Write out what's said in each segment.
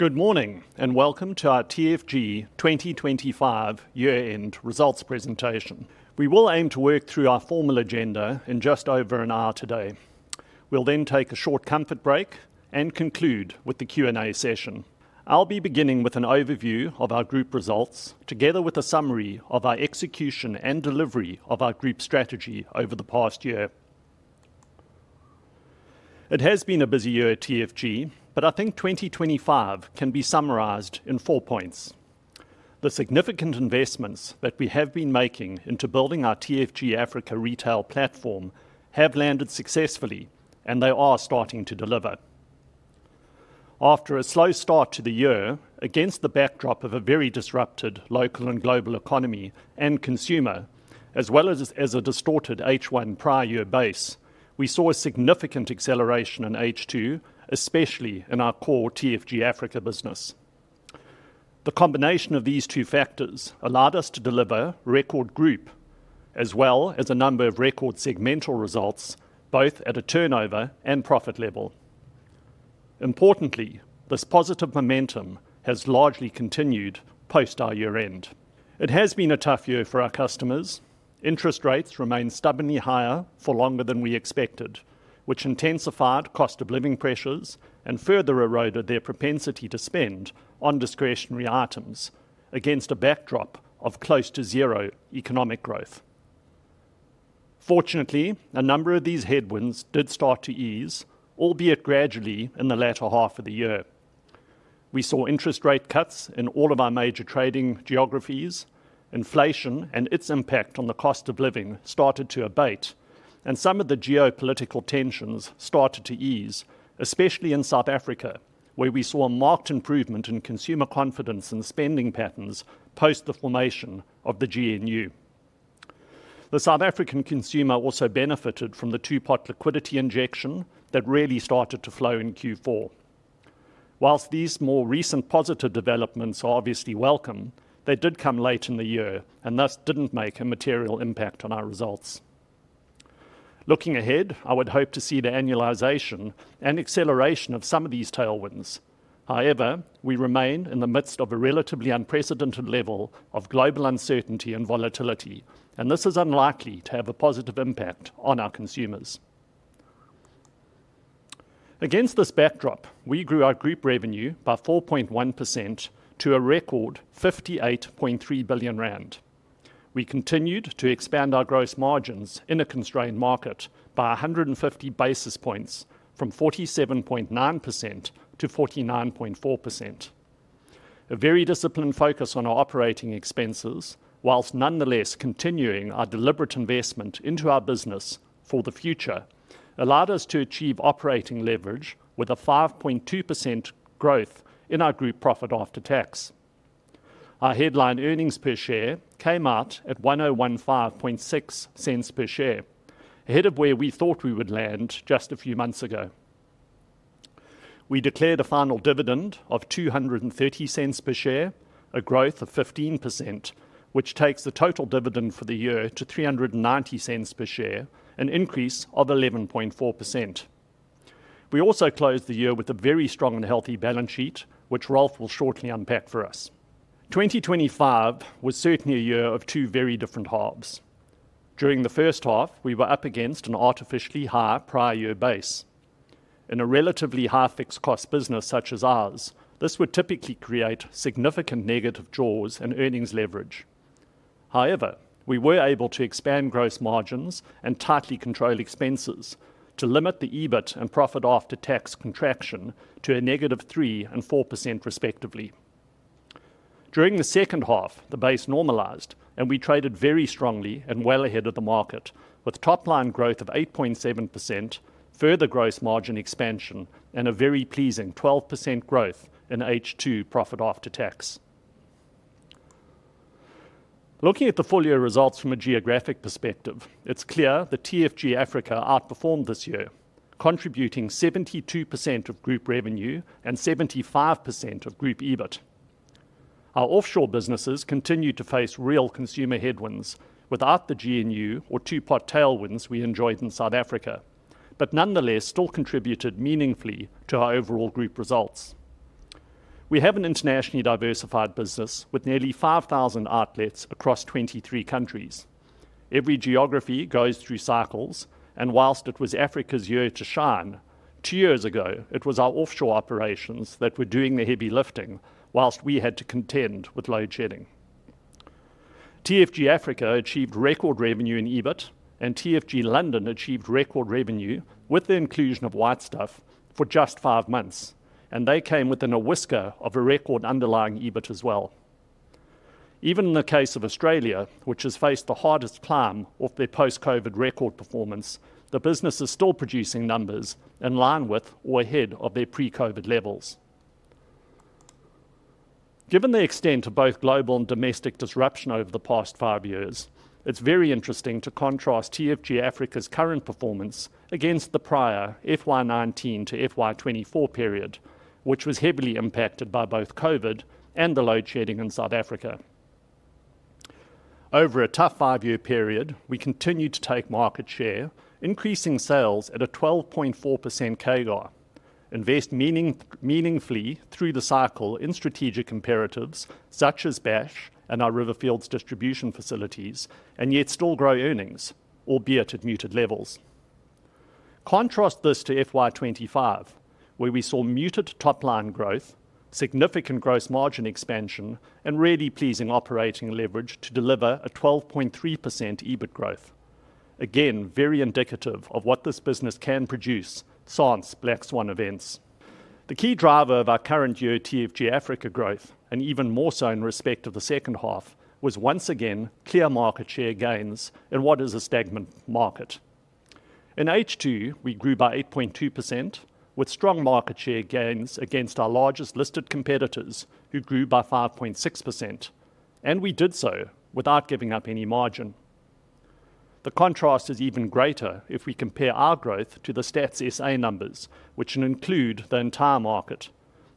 Good morning, and welcome to our TFG 2025 year-end results presentation. We will aim to work through our formal agenda in just over an hour today. We'll then take a short comfort break and conclude with the Q&A session. I'll be beginning with an overview of our group results, together with a summary of our execution and delivery of our group strategy over the past year. It has been a busy year at TFG, but I think 2025 can be summarized in four points. The significant investments that we have been making into building our TFG Africa retail platform have landed successfully, and they are starting to deliver. After a slow start to the year, against the backdrop of a very disrupted local and global economy and consumer, as well as a distorted H1 prior year base, we saw a significant acceleration in H2, especially in our core TFG Africa business. The combination of these two factors allowed us to deliver record group, as well as a number of record segmental results, both at a turnover and profit level. Importantly, this positive momentum has largely continued post our year-end. It has been a tough year for our customers. Interest rates remained stubbornly higher for longer than we expected, which intensified cost-of-living pressures and further eroded their propensity to spend on discretionary items, against a backdrop of close to zero economic growth. Fortunately, a number of these headwinds did start to ease, albeit gradually in the latter half of the year. We saw interest rate cuts in all of our major trading geographies. Inflation and its impact on the cost of living started to abate, and some of the geopolitical tensions started to ease, especially in South Africa, where we saw a marked improvement in consumer confidence and spending patterns post the formation of the GNU. The South African consumer also benefited from the two-pot liquidity injection that really started to flow in Q4. Whilst these more recent positive developments are obviously welcome, they did come late in the year and thus did not make a material impact on our results. Looking ahead, I would hope to see the annualization and acceleration of some of these tailwinds. However, we remain in the midst of a relatively unprecedented level of global uncertainty and volatility, and this is unlikely to have a positive impact on our consumers. Against this backdrop, we grew our group revenue by 4.1% to a record 58.3 billion rand. We continued to expand our gross margins in a constrained market by 150 basis points, from 47.9% to 49.4%. A very disciplined focus on our operating expenses, whilst nonetheless continuing our deliberate investment into our business for the future, allowed us to achieve operating leverage with a 5.2% growth in our group profit after tax. Our headline earnings per share came out at 1,015.6 cents per share, ahead of where we thought we would land just a few months ago. We declared a final dividend of 230 cents per share, a growth of 15%, which takes the total dividend for the year to 390 cents per share, an increase of 11.4%. We also closed the year with a very strong and healthy balance sheet, which Ralph will shortly unpack for us. 2025 was certainly a year of two very different halves. During the first half, we were up against an artificially high prior year base. In a relatively high fixed-cost business such as ours, this would typically create significant negative draws in earnings leverage. However, we were able to expand gross margins and tightly control expenses to limit the EBIT and profit after tax contraction to a negative 3% and 4%, respectively. During the second half, the base normalized, and we traded very strongly and well ahead of the market, with top-line growth of 8.7%, further gross margin expansion, and a very pleasing 12% growth in H2 profit after tax. Looking at the full year results from a geographic perspective, it is clear that TFG Africa outperformed this year, contributing 72% of group revenue and 75% of group EBIT. Our offshore businesses continued to face real consumer headwinds without the GNU or two-pot tailwinds we enjoyed in South Africa, but nonetheless still contributed meaningfully to our overall group results. We have an internationally diversified business with nearly 5,000 outlets across 23 countries. Every geography goes through cycles, and whilst it was Africa's year to shine, two years ago, it was our offshore operations that were doing the heavy lifting, whilst we had to contend with load-shedding. TFG Africa achieved record revenue in EBIT, and TFG London achieved record revenue with the inclusion of White Stuff for just five months, and they came within a whisker of a record underlying EBIT as well. Even in the case of Australia, which has faced the hardest climb of their post-COVID record performance, the business is still producing numbers in line with or ahead of their pre-COVID levels. Given the extent of both global and domestic disruption over the past five years, it's very interesting to contrast TFG Africa's current performance against the prior FY2019 to FY2024 period, which was heavily impacted by both COVID and the load-shedding in South Africa. Over a tough five-year period, we continued to take market share, increasing sales at a 12.4% CAGR, invest meaningfully through the cycle in strategic imperatives such as BASH and our Riverfields distribution facilities, and yet still grow earnings, albeit at muted levels. Contrast this to FY2025, where we saw muted top-line growth, significant gross margin expansion, and really pleasing operating leverage to deliver a 12.3% EBIT growth. Again, very indicative of what this business can produce since Black Swan events. The key driver of our current year TFG Africa growth, and even more so in respect of the second half, was once again clear market share gains in what is a stagnant market. In H2, we grew by 8.2%, with strong market share gains against our largest listed competitors who grew by 5.6%, and we did so without giving up any margin. The contrast is even greater if we compare our growth to the Stats SA numbers, which include the entire market,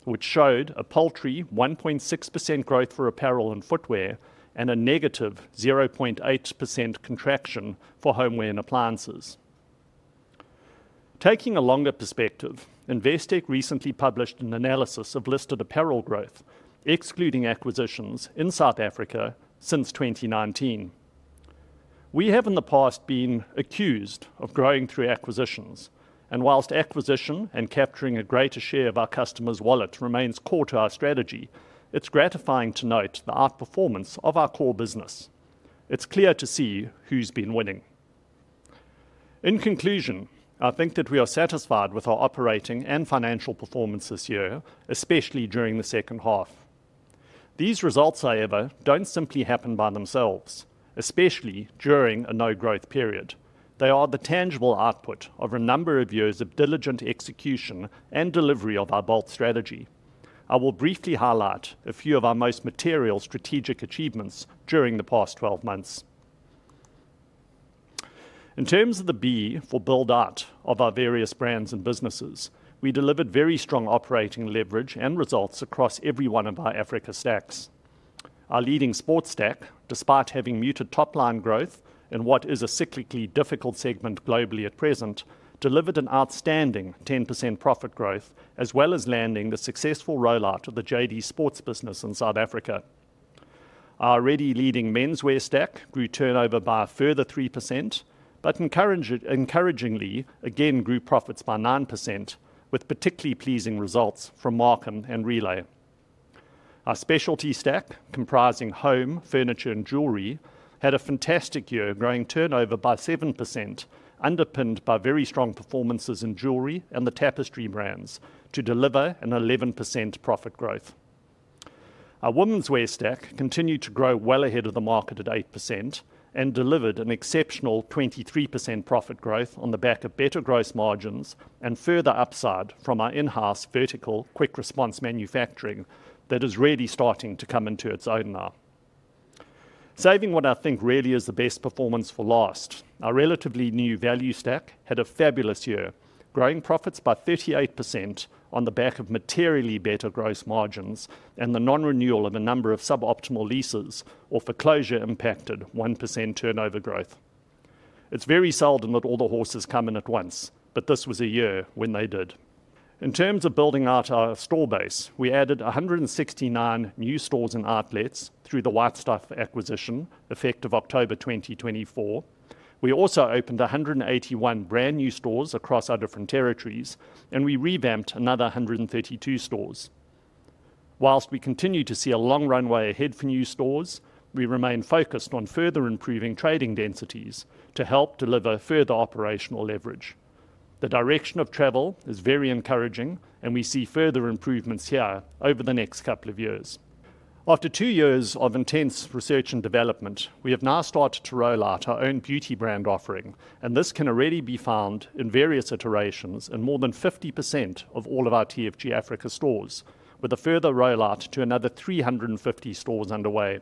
which showed a paltry 1.6% growth for apparel and footwear and a negative 0.8% contraction for homeware and appliances. Taking a longer perspective, Investec recently published an analysis of listed apparel growth, excluding acquisitions in South Africa since 2019. We have in the past been accused of growing through acquisitions, and whilst acquisition and capturing a greater share of our customers' wallets remains core to our strategy, it's gratifying to note the outperformance of our core business. It's clear to see who's been winning. In conclusion, I think that we are satisfied with our operating and financial performance this year, especially during the second half. These results, however, do not simply happen by themselves, especially during a no-growth period. They are the tangible output of a number of years of diligent execution and delivery of our BOLT strategy. I will briefly highlight a few of our most material strategic achievements during the past 12 months. In terms of the B for build-out of our various brands and businesses, we delivered very strong operating leverage and results across every one of our Africa stacks. Our leading sports stack, despite having muted top-line growth in what is a cyclically difficult segment globally at present, delivered an outstanding 10% profit growth, as well as landing the successful rollout of the JD Sports business in South Africa. Our already leading menswear stack grew turnover by a further 3%, but encouragingly, again grew profits by 9%, with particularly pleasing results from Markham and Relay. Our specialty stack, comprising home, furniture, and jewelry, had a fantastic year, growing turnover by 7%, underpinned by very strong performances in jewelry and the Tapestry brands, to deliver an 11% profit growth. Our womenswear stack continued to grow well ahead of the market at 8% and delivered an exceptional 23% profit growth on the back of better gross margins and further upside from our in-house vertical quick response manufacturing that is really starting to come into its own now. Saving what I think really is the best performance for last, our relatively new value stack had a fabulous year, growing profits by 38% on the back of materially better gross margins and the non-renewal of a number of suboptimal leases or foreclosure-impacted 1% turnover growth. It's very seldom that all the horses come in at once, but this was a year when they did. In terms of building out our store base, we added 169 new stores and outlets through the White Stuff acquisition effective October 2024. We also opened 181 brand new stores across our different territories, and we revamped another 132 stores. Whilst we continue to see a long runway ahead for new stores, we remain focused on further improving trading densities to help deliver further operational leverage. The direction of travel is very encouraging, and we see further improvements here over the next couple of years. After two years of intense research and development, we have now started to rollout our own beauty brand offering, and this can already be found in various iterations in more than 50% of all of our TFG Africa stores, with a further rollout to another 350 stores underway.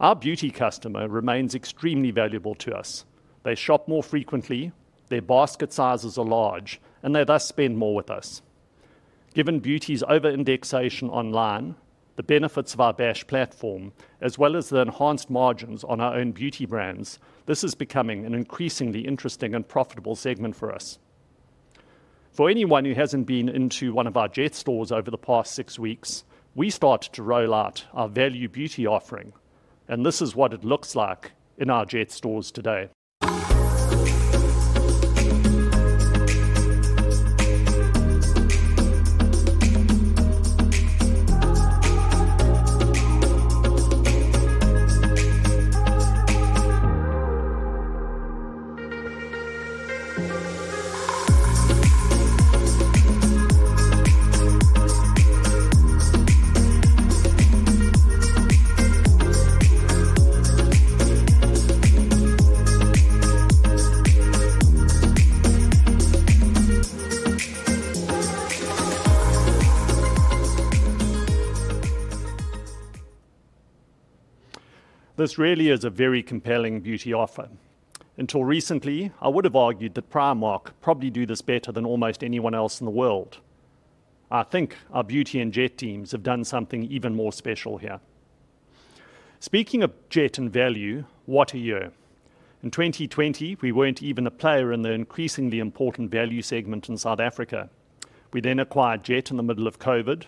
Our beauty customer remains extremely valuable to us. They shop more frequently, their basket sizes are large, and they thus spend more with us. Given beauty's over-indexation online, the benefits of our BASH platform, as well as the enhanced margins on our own beauty brands, this is becoming an increasingly interesting and profitable segment for us. For anyone who hasn't been into one of our Jet stores over the past six weeks, we started to rollout our value beauty offering, and this is what it looks like in our Jet stores today. This really is a very compelling beauty offer. Until recently, I would have argued that Primark probably do this better than almost anyone else in the world. I think our beauty and Jet teams have done something even more special here. Speaking of Jet and value, what a year. In 2020, we were not even a player in the increasingly important value segment in South Africa. We then acquired Jet in the middle of COVID.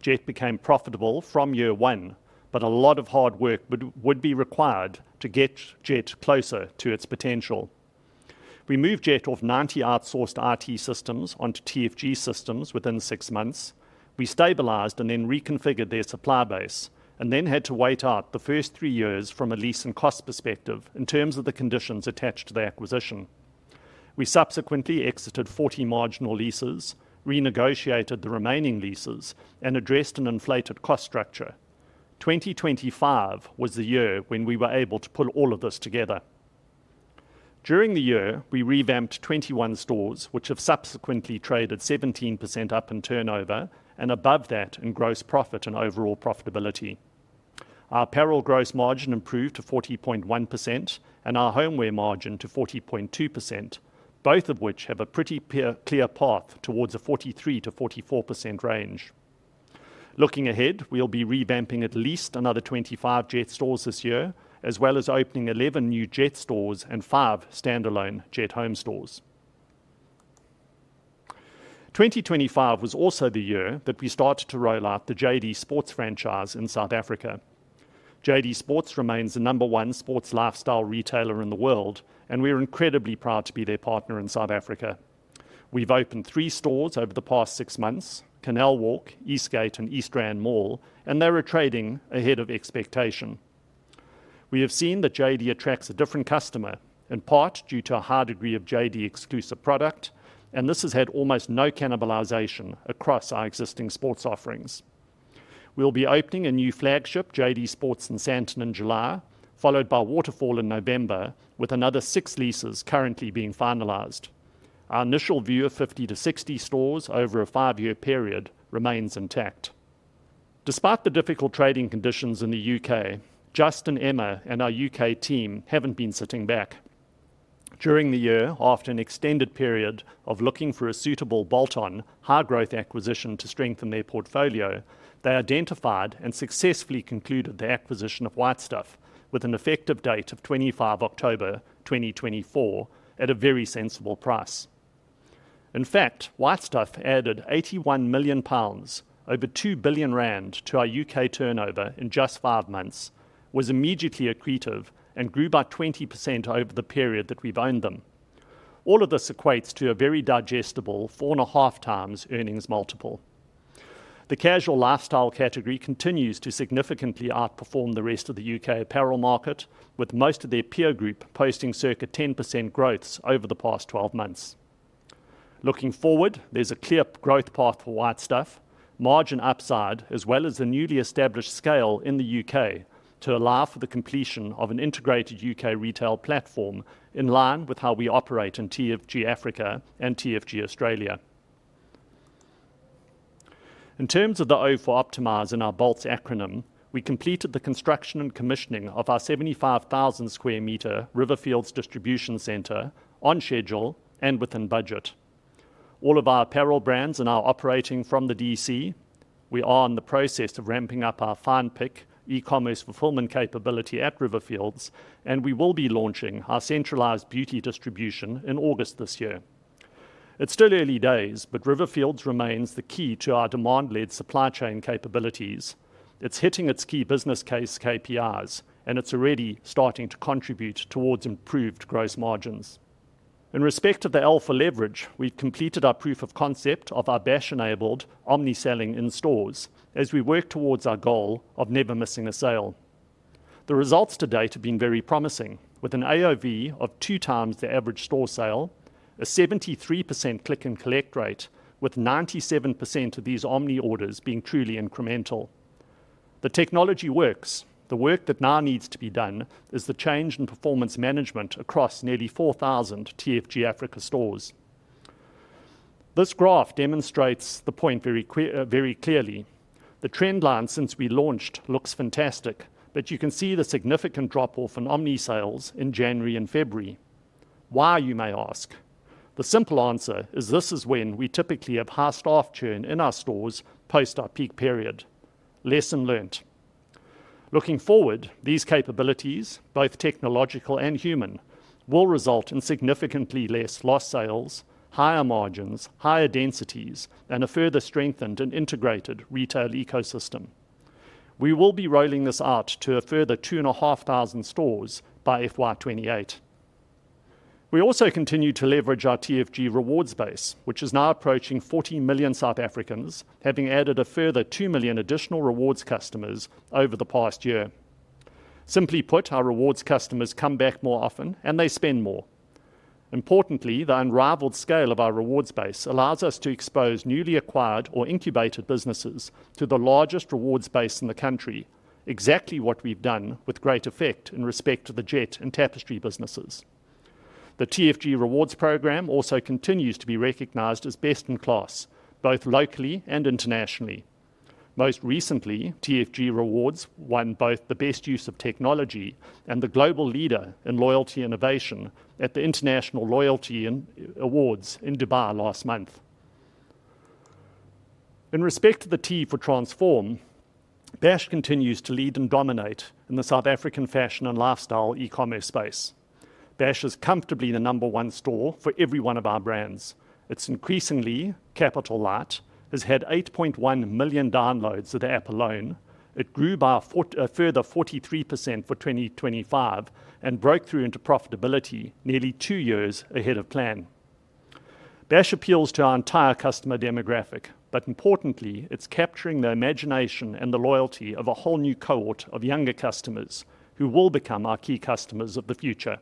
Jet became profitable from year one, but a lot of hard work would be required to get Jet closer to its potential. We moved Jet off 90 outsourced IT systems onto TFG systems within six months. We stabilized and then reconfigured their supply base, and then had to wait out the first three years from a lease and cost perspective in terms of the conditions attached to the acquisition. We subsequently exited 40 marginal leases, renegotiated the remaining leases, and addressed an inflated cost structure. 2025 was the year when we were able to pull all of this together. During the year, we revamped 21 stores, which have subsequently traded 17% up in turnover and above that in gross profit and overall profitability. Our apparel gross margin improved to 40.1% and our homeware margin to 40.2%, both of which have a pretty clear path towards a 43%-44% range. Looking ahead, we'll be revamping at least another 25 Jet stores this year, as well as opening 11 new Jet stores and five standalone Jet home stores. 2025 was also the year that we started to rollout the JD Sports franchise in South Africa. JD Sports remains the number one sports lifestyle retailer in the world, and we're incredibly proud to be their partner in South Africa. We've opened three stores over the past six months: Canal Walk, Eastgate, and East Rand Mall, and they were trading ahead of expectation. We have seen that JD attracts a different customer, in part due to a high degree of JD exclusive product, and this has had almost no cannibalization across our existing sports offerings. We'll be opening a new flagship, JD Sports in Sandton and Jabulani, followed by Waterfall in November, with another six leases currently being finalized. Our initial view of 50-60 stores over a five-year period remains intact. Despite the difficult trading conditions in the U.K., Justin, Emma, and our U.K. team haven't been sitting back. During the year, after an extended period of looking for a suitable bolt-on high-growth acquisition to strengthen their portfolio, they identified and successfully concluded the acquisition of White Stuff with an effective date of 25 October 2024 at a very sensible price. In fact, White Stuff added 81 million pounds, over 2 billion rand, to our U.K. turnover in just five months, was immediately accretive, and grew by 20% over the period that we've owned them. All of this equates to a very digestible four and a half times earnings multiple. The casual lifestyle category continues to significantly outperform the rest of the U.K. apparel market, with most of their peer group posting circa 10% growth over the past 12 months. Looking forward, there's a clear growth path for White Stuff, margin upside, as well as a newly established scale in the U.K. to allow for the completion of an integrated U.K. retail platform in line with how we operate in TFG Africa and TFG Australia. In terms of the O for Optimize in our BOLT acronym, we completed the construction and commissioning of our 75,000 sq m Riverfields distribution center on schedule and within budget. All of our apparel brands are operating from the DC, we are in the process of ramping up our fine pick e-commerce fulfillment capability at Riverfields, and we will be launching our centralized beauty distribution in August this year. It's still early days, but Riverfields remains the key to our demand-led supply chain capabilities. It's hitting its key business case KPIs, and it's already starting to contribute towards improved gross margins. In respect of the alpha leverage, we've completed our proof of concept of our BASH-enabled omni-selling in stores as we work towards our goal of never missing a sale. The results to date have been very promising, with an AOV of two times the average store sale, a 73% click and collect rate, with 97% of these omni orders being truly incremental. The technology works. The work that now needs to be done is the change in performance management across nearly 4,000 TFG Africa stores. This graph demonstrates the point very clearly. The trend line since we launched looks fantastic, but you can see the significant drop off in omni sales in January and February. Why, you may ask? The simple answer is this is when we typically have harshed off churn in our stores post our peak period. Lesson learnt. Looking forward, these capabilities, both technological and human, will result in significantly less lost sales, higher margins, higher densities, and a further strengthened and integrated retail ecosystem. We will be rolling this out to a further 2,500 stores by FY2028. We also continue to leverage our TFG rewards base, which is now approaching 40 million South Africans, having added a further 2 million additional rewards customers over the past year. Simply put, our rewards customers come back more often, and they spend more. Importantly, the unrivaled scale of our rewards base allows us to expose newly acquired or incubated businesses to the largest rewards base in the country, exactly what we've done with great effect in respect to the Jet and Tapestry businesses. The TFG rewards program also continues to be recognized as best in class, both locally and internationally. Most recently, TFG Rewards won both the Best Use of Technology and the Global Leader in Loyalty Innovation at the International Loyalty Awards in Dubai last month. In respect to the T for Transform, BASH continues to lead and dominate in the South African fashion and lifestyle e-commerce space. BASH is comfortably the number one store for every one of our brands. It's increasingly capital light, has had 8.1 million downloads of the app alone, it grew by a further 43% for 2025, and broke through into profitability nearly two years ahead of plan. BASH appeals to our entire customer demographic, but importantly, it's capturing the imagination and the loyalty of a whole new cohort of younger customers who will become our key customers of the future.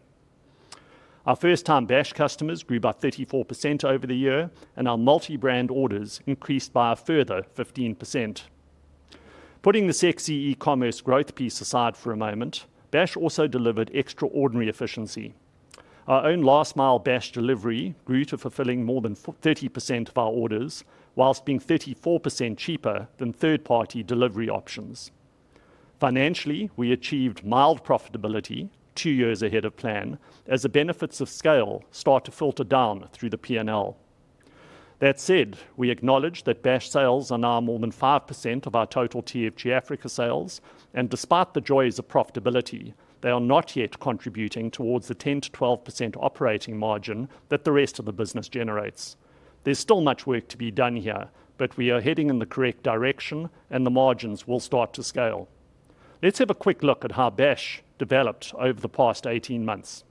Our first-time BASH customers grew by 34% over the year, and our multi-brand orders increased by a further 15%. Putting the sexy e-commerce growth piece aside for a moment, BASH also delivered extraordinary efficiency. Our own last-mile BASH delivery grew to fulfilling more than 30% of our orders, whilst being 34% cheaper than third-party delivery options. Financially, we achieved mild profitability two years ahead of plan as the benefits of scale start to filter down through the P&L. That said, we acknowledge that BASH sales are now more than 5% of our total TFG Africa sales, and despite the joys of profitability, they are not yet contributing towards the 10%-12% operating margin that the rest of the business generates. There is still much work to be done here, but we are heading in the correct direction, and the margins will start to scale. Let's have a quick look at how BASH developed over the past 18 months.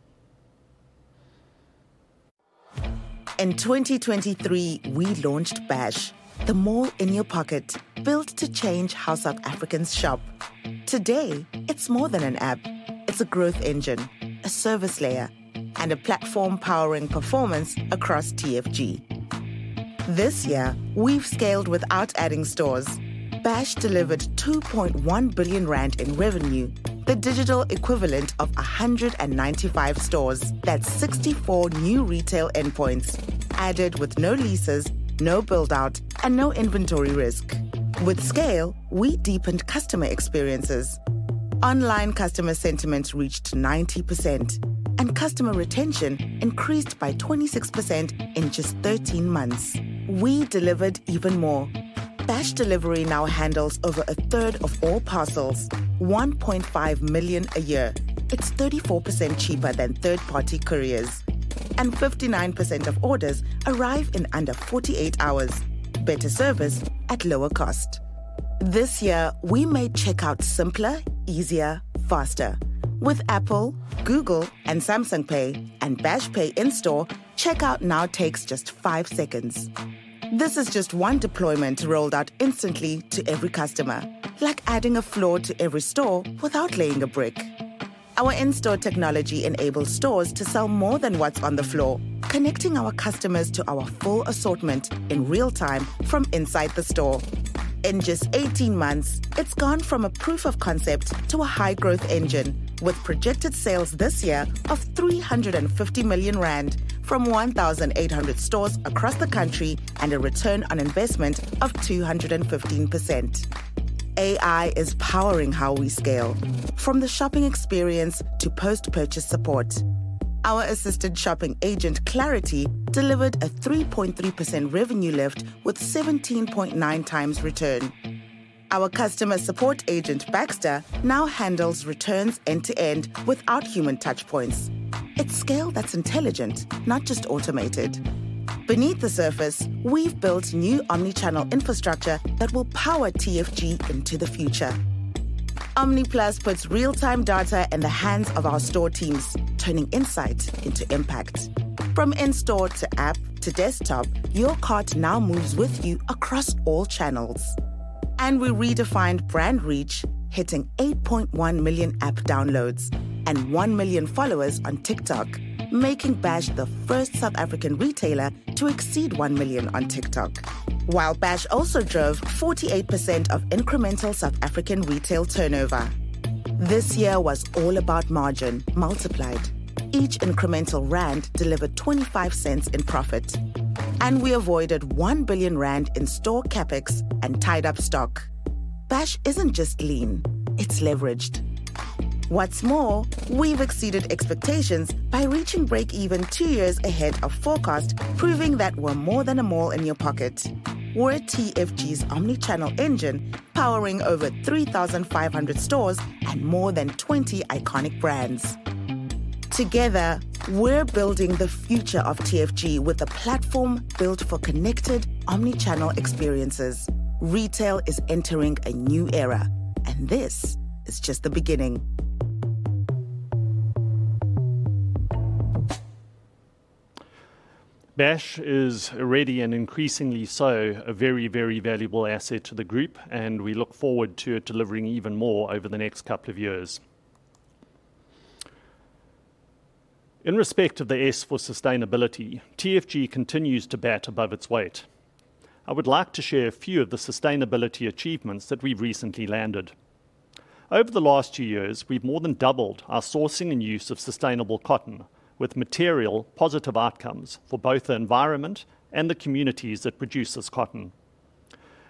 In 2023, we launched BASH, the mall in your pocket built to change how South Africans shop. Today, it's more than an app. It's a growth engine, a service layer, and a platform powering performance across TFG. This year, we've scaled without adding stores. BASH delivered 2.1 billion rand in revenue, the digital equivalent of 195 stores, that's 64 new retail endpoints added with no leases, no build-out, and no inventory risk. With scale, we deepened customer experiences. Online customer sentiments reached 90%, and customer retention increased by 26% in just 13 months. We delivered even more. BASH delivery now handles over a third of all parcels, 1.5 million a year. It's 34% cheaper than third-party couriers, and 59% of orders arrive in under 48 hours. Better service at lower cost. This year, we made checkout simpler, easier, faster. With Apple, Google, and Samsung Pay, and BASH Pay in store, checkout now takes just five seconds. This is just one deployment rolled out instantly to every customer, like adding a floor to every store without laying a brick. Our in-store technology enables stores to sell more than what's on the floor, connecting our customers to our full assortment in real time from inside the store. In just 18 months, it's gone from a proof of concept to a high-growth engine, with projected sales this year of 350 million rand from 1,800 stores across the country and a return on investment of 215%. AI is powering how we scale, from the shopping experience to post-purchase support. Our assisted shopping agent, Clarity, delivered a 3.3% revenue lift with 17.9 times return. Our customer support agent, Baxter, now handles returns end-to-end without human touch points. It's scale that's intelligent, not just automated. Beneath the surface, we've built new omnichannel infrastructure that will power TFG into the future. OmniPlus puts real-time data in the hands of our store teams, turning insight into impact. From in-store to app to desktop, your cart now moves with you across all channels. We redefined brand reach, hitting 8.1 million app downloads and 1 million followers on TikTok, making BASH the first South African retailer to exceed 1 million on TikTok, while BASH also drove 48% of incremental South African retail turnover. This year was all about margin multiplied. Each incremental rand delivered 25 cents in profit, and we avoided 1 billion rand in store CapEx and tied up stock. BASH isn't just lean; it's leveraged. What's more, we've exceeded expectations by reaching break-even two years ahead of forecast, proving that we're more than a mall in your pocket. We're TFG's omnichannel engine powering over 3,500 stores and more than 20 iconic brands. Together, we're building the future of TFG with a platform built for connected omnichannel experiences. Retail is entering a new era, and this is just the beginning. BASH is already, and increasingly so, a very, very valuable asset to the group, and we look forward to delivering even more over the next couple of years. In respect of the S for Sustainability, TFG continues to bat above its weight. I would like to share a few of the sustainability achievements that we've recently landed. Over the last two years, we've more than doubled our sourcing and use of sustainable cotton, with material positive outcomes for both the environment and the communities that produce this cotton.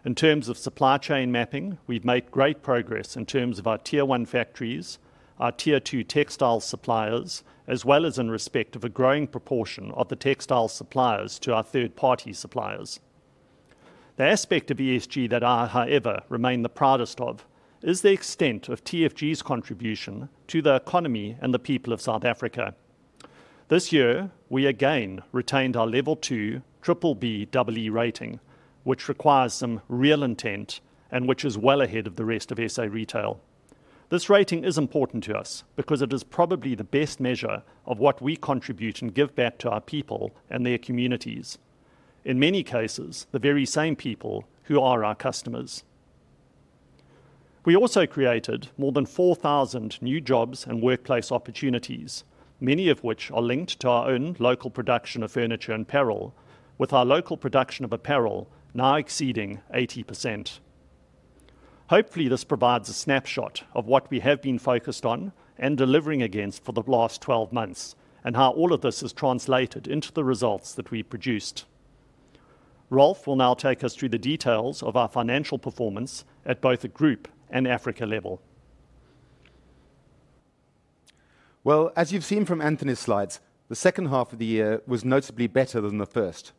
In terms of supply chain mapping, we've made great progress in terms of our tier one factories, our tier two textile suppliers, as well as in respect of a growing proportion of the textile suppliers to our third-party suppliers. The aspect of ESG that I, however, remain the proudest of is the extent of TFG's contribution to the economy and the people of South Africa. This year, we again retained our level two triple B double E rating, which requires some real intent and which is well ahead of the rest of SA retail. This rating is important to us because it is probably the best measure of what we contribute and give back to our people and their communities, in many cases, the very same people who are our customers. We also created more than 4,000 new jobs and workplace opportunities, many of which are linked to our own local production of furniture and apparel, with our local production of apparel now exceeding 80%. Hopefully, this provides a snapshot of what we have been focused on and delivering against for the last 12 months and how all of this is translated into the results that we produced. Ralph will now take us through the details of our financial performance at both a group and Africa level. As you've seen from Anthony's slides, the second half of the year was noticeably better than the first.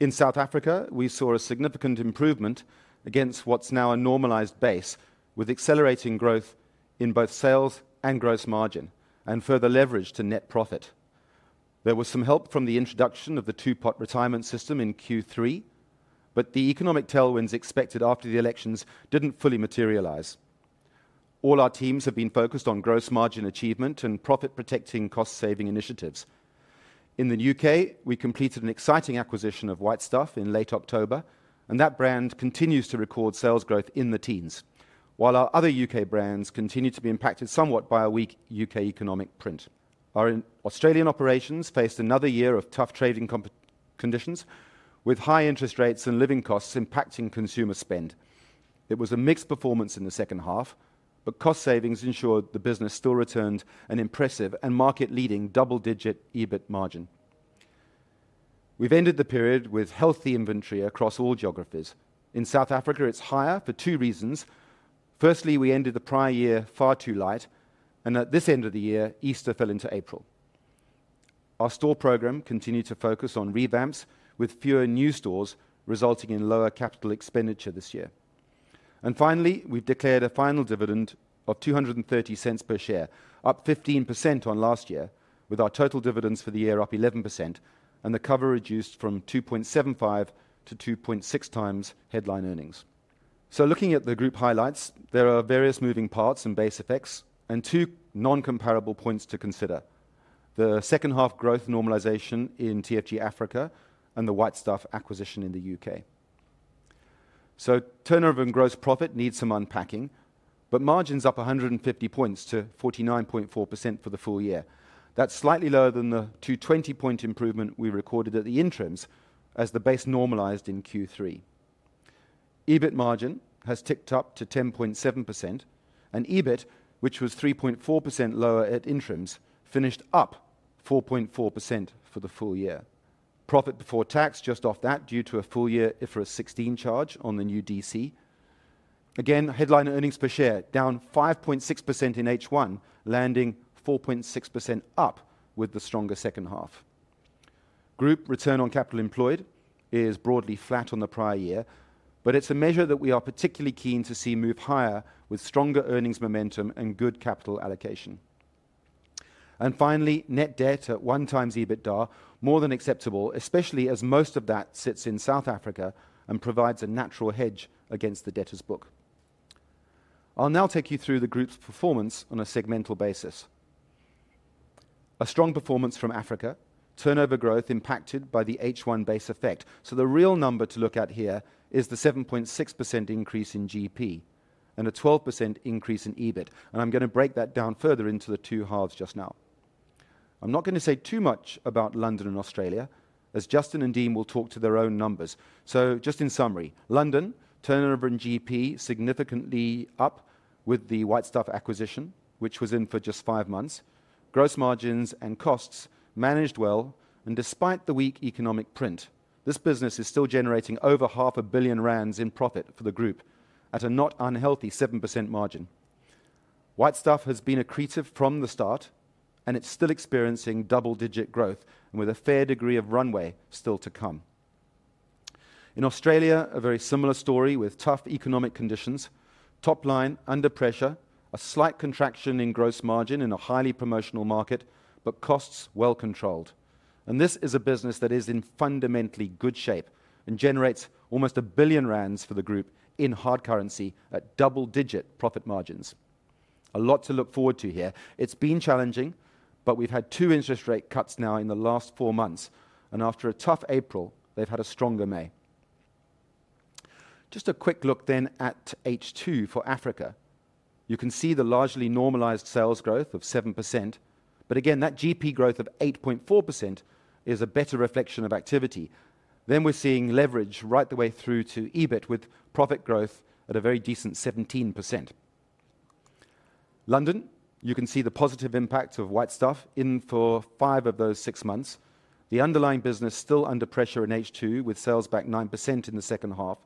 In South Africa, we saw a significant improvement against what's now a normalized base, with accelerating growth in both sales and gross margin and further leverage to net profit. There was some help from the introduction of the two-pot retirement system in Q3, but the economic tailwinds expected after the elections did not fully materialize. All our teams have been focused on gross margin achievement and profit-protecting cost-saving initiatives. In the U.K., we completed an exciting acquisition of White Stuff in late October, and that brand continues to record sales growth in the teens, while our other U.K. brands continue to be impacted somewhat by a weak U.K. economic print. Our Australian operations faced another year of tough trading conditions, with high interest rates and living costs impacting consumer spend. It was a mixed performance in the second half, but cost savings ensured the business still returned an impressive and market-leading double-digit EBIT margin. We have ended the period with healthy inventory across all geographies. In South Africa, it is higher for two reasons. Firstly, we ended the prior year far too light, and at this end of the year, Easter fell into April. Our store program continued to focus on revamps, with fewer new stores resulting in lower capital expenditure this year. Finally, we've declared a final dividend of 230 cents per share, up 15% on last year, with our total dividends for the year up 11% and the cover reduced from 2.75 to 2.6 times headline earnings. Looking at the group highlights, there are various moving parts and base effects and two non-comparable points to consider: the second-half growth normalization in TFG Africa and the White Stuff acquisition in the U.K. Turnover and gross profit need some unpacking, but margins up 150 basis points to 49.4% for the full year. That's slightly lower than the 220 basis point improvement we recorded at the interims as the base normalized in Q3. EBIT margin has ticked up to 10.7%, and EBIT, which was 3.4% lower at interims, finished up 4.4% for the full year. Profit before tax just off that due to a full-year IFRS 16 charge on the new DC. Headline earnings per share down 5.6% in H1, landing 4.6% up with the stronger second half. Group return on capital employed is broadly flat on the prior year, but it's a measure that we are particularly keen to see move higher with stronger earnings momentum and good capital allocation. Finally, net debt at one times EBITDA more than acceptable, especially as most of that sits in South Africa and provides a natural hedge against the debtor's book. I'll now take you through the group's performance on a segmental basis. A strong performance from Africa, turnover growth impacted by the H1 base effect. The real number to look at here is the 7.6% increase in GP and a 12% increase in EBIT, and I'm going to break that down further into the two halves just now. I'm not going to say too much about London and Australia, as Justin and Dean will talk to their own numbers. Just in summary, London turnover in GP significantly up with the White Stuff acquisition, which was in for just five months. Gross margins and costs managed well, and despite the weak economic print, this business is still generating over half a billion ZAR in profit for the group at a not unhealthy 7% margin. White Stuff has been accretive from the start, and it's still experiencing double-digit growth and with a fair degree of runway still to come. In Australia, a very similar story with tough economic conditions. Top line under pressure, a slight contraction in gross margin in a highly promotional market, but costs well controlled. This is a business that is in fundamentally good shape and generates almost 1 billion rand for the group in hard currency at double-digit profit margins. A lot to look forward to here. It's been challenging, but we've had two interest rate cuts now in the last four months, and after a tough April, they've had a stronger May. Just a quick look then at H2 for Africa. You can see the largely normalized sales growth of 7%, but again, that GP growth of 8.4% is a better reflection of activity. We're seeing leverage right the way through to EBIT with profit growth at a very decent 17%. London, you can see the positive impact of White Stuff in for five of those six months. The underlying business still under pressure in H2 with sales back 9% in the second half,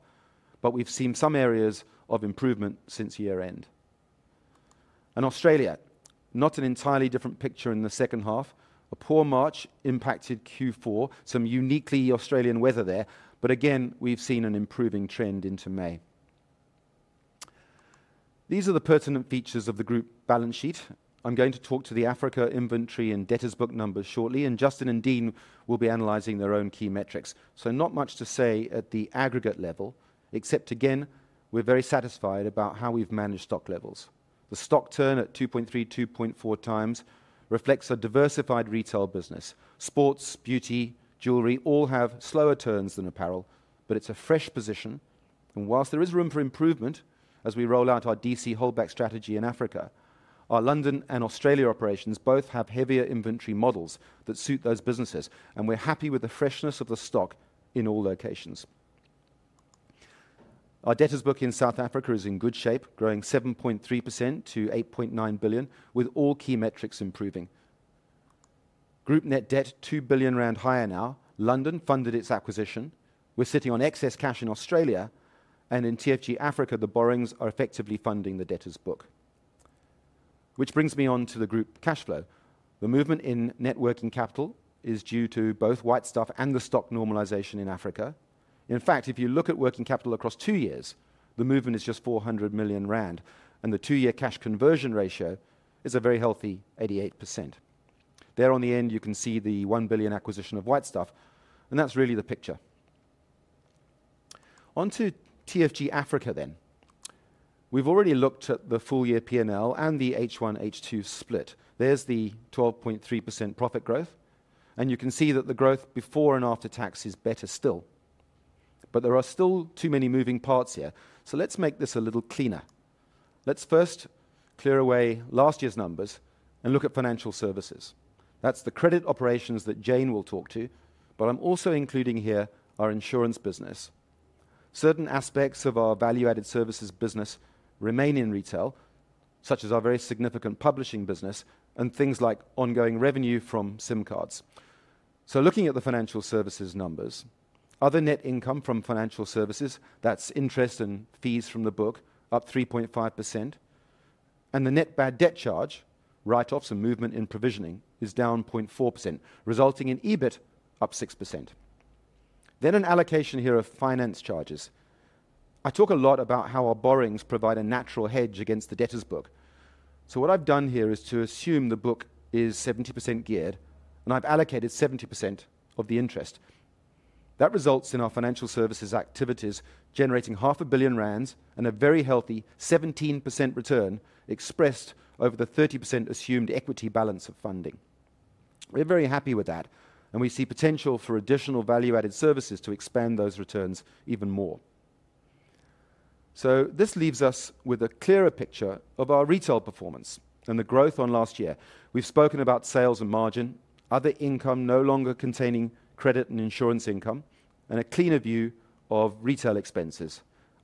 but we've seen some areas of improvement since year-end. Australia, not an entirely different picture in the second half. A poor March impacted Q4, some uniquely Australian weather there, but again, we've seen an improving trend into May. These are the pertinent features of the group balance sheet. I'm going to talk to the Africa inventory and debtors book numbers shortly, and Justin and Dean will be analyzing their own key metrics. Not much to say at the aggregate level, except again, we're very satisfied about how we've managed stock levels. The stock turn at 2.3x-2.4xreflects a diversified retail business. Sports, beauty, jewelry all have slower turns than apparel, but it's a fresh position. Whilst there is room for improvement as we roll out our DC holdback strategy in Africa, our London and Australia operations both have heavier inventory models that suit those businesses, and we're happy with the freshness of the stock in all locations. Our debtors book in South Africa is in good shape, growing 7.3% to 8.9 billion, with all key metrics improving. Group net debt is 2 billion rand higher now. London funded its acquisition. We're sitting on excess cash in Australia, and in TFG Africa, the borrowings are effectively funding the debtors book, which brings me on to the group cash flow. The movement in net working capital is due to both White Stuff and the stock normalization in Africa. In fact, if you look at working capital across two years, the movement is just 400 million rand, and the two-year cash conversion ratio is a very healthy 88%. There on the end, you can see the 1 billion acquisition of White Stuff, and that's really the picture. Onto TFG Africa then. We've already looked at the full-year P&L and the H1, H2 split. There's the 12.3% profit growth, and you can see that the growth before and after tax is better still, but there are still too many moving parts here. Let's make this a little cleaner. Let's first clear away last year's numbers and look at financial services. That's the credit operations that Jane will talk to, but I'm also including here our insurance business. Certain aspects of our value-added services business remain in retail, such as our very significant publishing business and things like ongoing revenue from SIM cards. Looking at the financial services numbers, other net income from financial services, that's interest and fees from the book, up 3.5%, and the net bad debt charge, write-offs and movement in provisioning, is down 0.4%, resulting in EBIT up 6%. An allocation here of finance charges. I talk a lot about how our borrowings provide a natural hedge against the debtors book. What I've done here is to assume the book is 70% geared, and I've allocated 70% of the interest. That results in our financial services activities generating 500 million rand and a very healthy 17% return expressed over the 30% assumed equity balance of funding. We're very happy with that, and we see potential for additional value-added services to expand those returns even more. This leaves us with a clearer picture of our retail performance and the growth on last year. We've spoken about sales and margin, other income no longer containing credit and insurance income, and a cleaner view of retail expenses.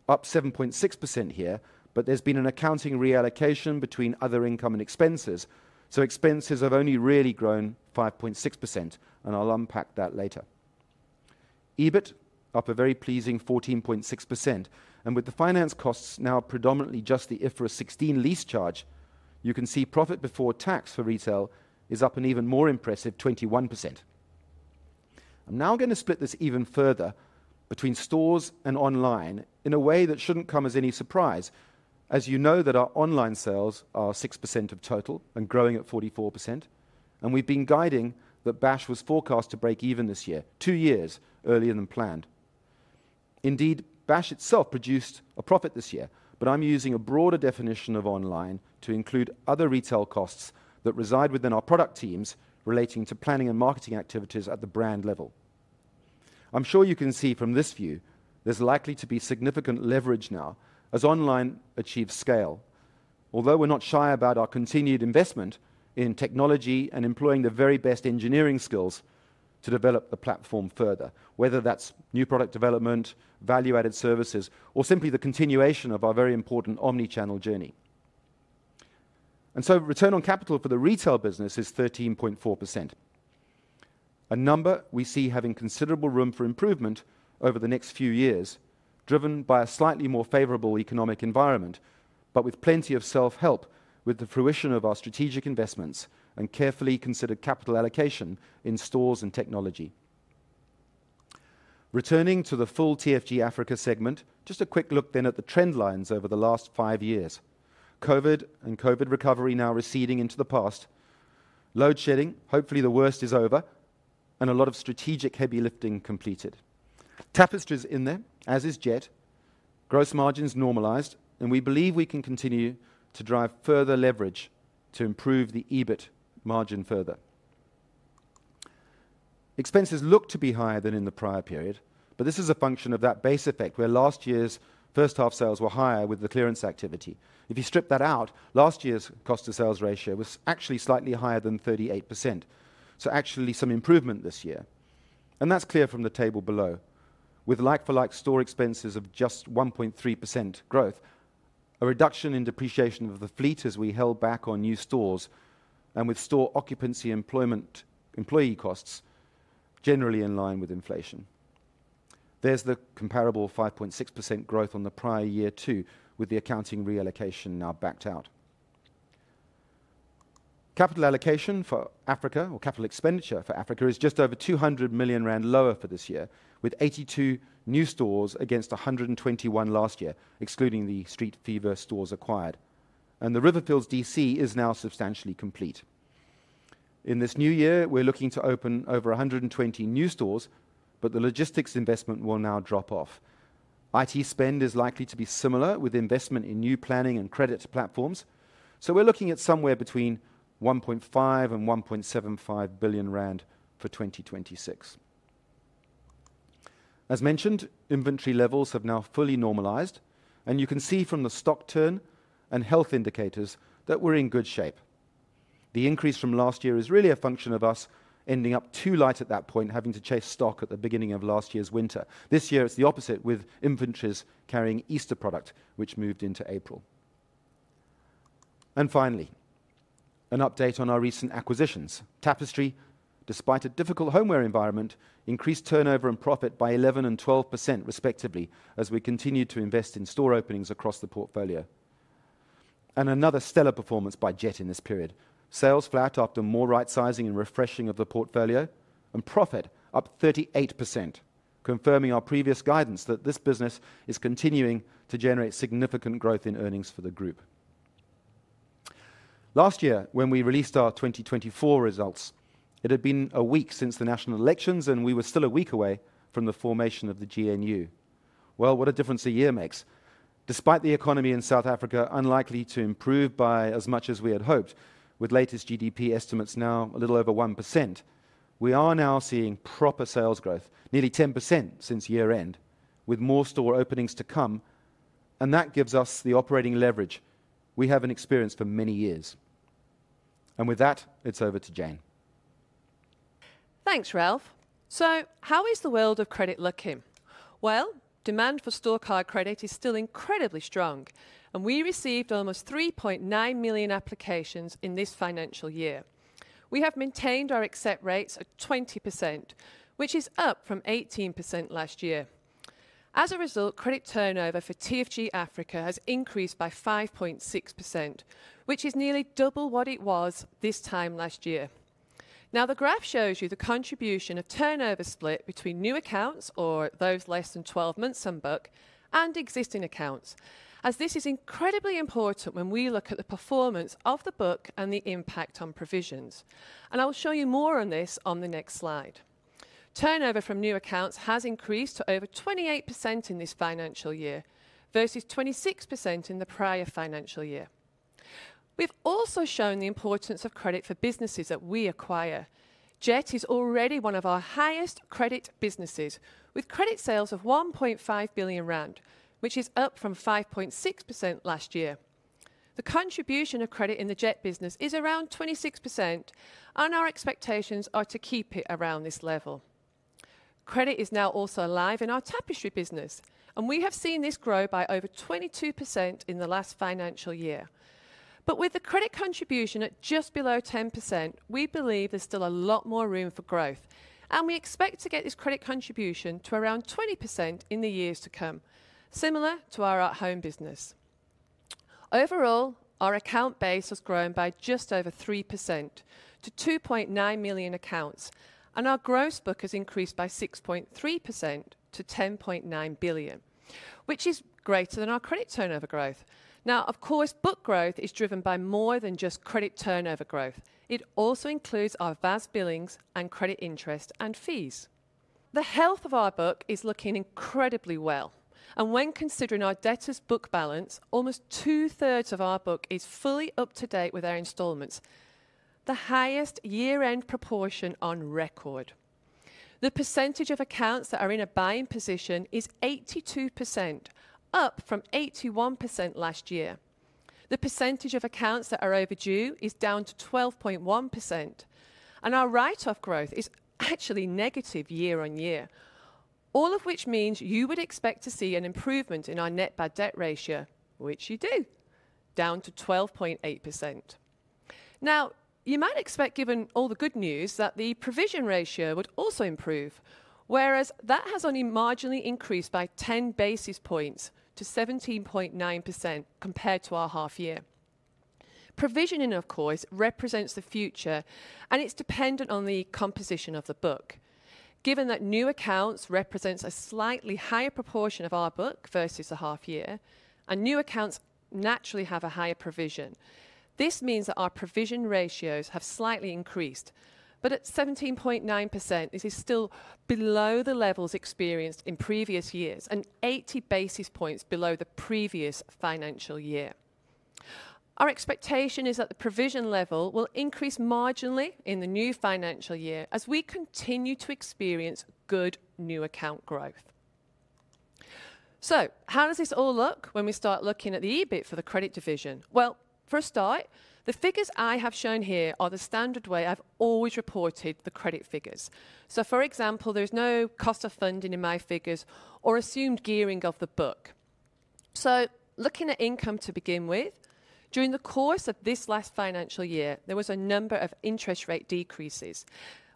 Up 7.6% here, but there's been an accounting reallocation between other income and expenses, so expenses have only really grown 5.6%, and I'll unpack that later. EBIT up a very pleasing 14.6%, and with the finance costs now predominantly just the IFRS 16 lease charge, you can see profit before tax for retail is up an even more impressive 21%. I'm now going to split this even further between stores and online in a way that shouldn't come as any surprise, as you know that our online sales are 6% of total and growing at 44%, and we've been guiding that BASH was forecast to break even this year, two years earlier than planned. Indeed, BASH itself produced a profit this year, but I'm using a broader definition of online to include other retail costs that reside within our product teams relating to planning and marketing activities at the brand level. I'm sure you can see from this view there's likely to be significant leverage now as online achieves scale. Although we're not shy about our continued investment in technology and employing the very best engineering skills to develop the platform further, whether that's new product development, value-added services, or simply the continuation of our very important omnichannel journey. Return on capital for the retail business is 13.4%, a number we see having considerable room for improvement over the next few years, driven by a slightly more favorable economic environment, but with plenty of self-help with the fruition of our strategic investments and carefully considered capital allocation in stores and technology. Returning to the full TFG Africa segment, just a quick look then at the trend lines over the last five years. COVID and COVID recovery now receding into the past. Load shedding, hopefully the worst is over, and a lot of strategic heavy lifting completed. Tapestry's in there, as is debt. Gross margins normalized, and we believe we can continue to drive further leverage to improve the EBIT margin further. Expenses look to be higher than in the prior period, but this is a function of that base effect where last year's first-half sales were higher with the clearance activity. If you strip that out, last year's cost-to-sales ratio was actually slightly higher than 38%, so actually some improvement this year. That is clear from the table below. With like-for-like store expenses of just 1.3% growth, a reduction in depreciation of the fleet as we held back on new stores and with store occupancy employee costs generally in line with inflation. There is the comparable 5.6% growth on the prior year too, with the accounting reallocation now backed out. Capital allocation for Africa, or capital expenditure for Africa, is just over 200 million rand lower for this year, with 82 new stores against 121 last year, excluding the Street Fever stores acquired. The Riverfields DC is now substantially complete. In this new year, we are looking to open over 120 new stores, but the logistics investment will now drop off. IT spend is likely to be similar, with investment in new planning and credit platforms. We are looking at somewhere between 1.5 billion-1.75 billion rand for 2026. As mentioned, inventory levels have now fully normalized, and you can see from the stock turn and health indicators that we're in good shape. The increase from last year is really a function of us ending up too light at that point, having to chase stock at the beginning of last year's winter. This year, it's the opposite, with inventories carrying Easter product, which moved into April. Finally, an update on our recent acquisitions. Tapestry, despite a difficult homeware environment, increased turnover and profit by 11% and 12% respectively as we continue to invest in store openings across the portfolio. Another stellar performance by Jet in this period. Sales flat after more right-sizing and refreshing of the portfolio, and profit up 38%, confirming our previous guidance that this business is continuing to generate significant growth in earnings for the group. Last year, when we released our 2024 results, it had been a week since the national elections, and we were still a week away from the formation of the GNU. What a difference a year makes. Despite the economy in South Africa unlikely to improve by as much as we had hoped, with latest GDP estimates now a little over 1%, we are now seeing proper sales growth, nearly 10% since year-end, with more store openings to come, and that gives us the operating leverage we have not experienced for many years. With that, it is over to Jane. Thanks, Ralph. How is the world of credit looking? Demand for store card credit is still incredibly strong, and we received almost 3.9 million applications in this financial year. We have maintained our accept rates at 20%, which is up from 18% last year. As a result, credit turnover for TFG Africa has increased by 5.6%, which is nearly double what it was this time last year. The graph shows you the contribution of turnover split between new accounts, or those less than 12 months on book, and existing accounts, as this is incredibly important when we look at the performance of the book and the impact on provisions. I'll show you more on this on the next slide. Turnover from new accounts has increased to over 28% in this financial year versus 26% in the prior financial year. We've also shown the importance of credit for businesses that we acquire. Jet is already one of our highest credit businesses, with credit sales of 1.5 billion rand, which is up from 5.6% last year. The contribution of credit in the Jet business is around 26%, and our expectations are to keep it around this level. Credit is now also alive in our Tapestry business, and we have seen this grow by over 22% in the last financial year. With the credit contribution at just below 10%, we believe there's still a lot more room for growth, and we expect to get this credit contribution to around 20% in the years to come, similar to our at-home business. Overall, our account base has grown by just over 3% to 2.9 million accounts, and our gross book has increased by 6.3% to 10.9 billion, which is greater than our credit turnover growth. Of course, book growth is driven by more than just credit turnover growth. It also includes our VAS billings and credit interest and fees. The health of our book is looking incredibly well, and when considering our debtors book balance, almost two-thirds of our book is fully up to date with our installments, the highest year-end proportion on record. The percentage of accounts that are in a buying position is 82%, up from 81% last year. The percentage of accounts that are overdue is down to 12.1%, and our write-off growth is actually negative year on year, all of which means you would expect to see an improvement in our net bad debt ratio, which you do, down to 12.8%. Now, you might expect, given all the good news, that the provision ratio would also improve, whereas that has only marginally increased by 10 basis points to 17.9% compared to our half-year. Provisioning, of course, represents the future, and it's dependent on the composition of the book. Given that new accounts represents a slightly higher proportion of our book versus a half-year, and new accounts naturally have a higher provision, this means that our provision ratios have slightly increased. At 17.9%, this is still below the levels experienced in previous years, and 80 basis points below the previous financial year. Our expectation is that the provision level will increase marginally in the new financial year as we continue to experience good new account growth. How does this all look when we start looking at the EBIT for the credit division? For a start, the figures I have shown here are the standard way I have always reported the credit figures. For example, there is no cost of funding in my figures or assumed gearing of the book. Looking at income to begin with, during the course of this last financial year, there was a number of interest rate decreases.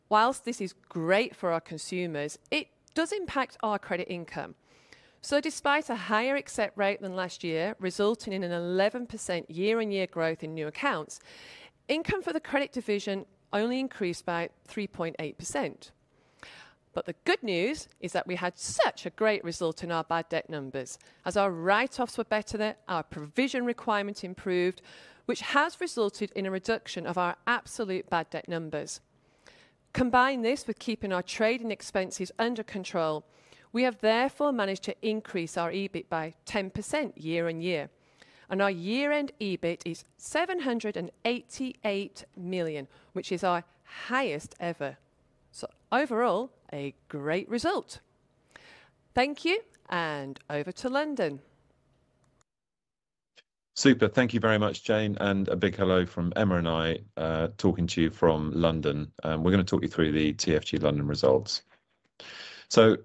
Whilst this is great for our consumers, it does impact our credit income. Despite a higher accept rate than last year, resulting in an 11% year-on-year growth in new accounts, income for the credit division only increased by 3.8%. The good news is that we had such a great result in our bad debt numbers, as our write-offs were better, our provision requirement improved, which has resulted in a reduction of our absolute bad debt numbers. Combine this with keeping our trading expenses under control, we have therefore managed to increase our EBIT by 10% year-on-year, and our year-end EBIT is 788 million, which is our highest ever. Overall, a great result. Thank you, and over to London. Super, thank you very much, Jane, and a big hello from Emma and I talking to you from London. We're going to talk you through the TFG London results.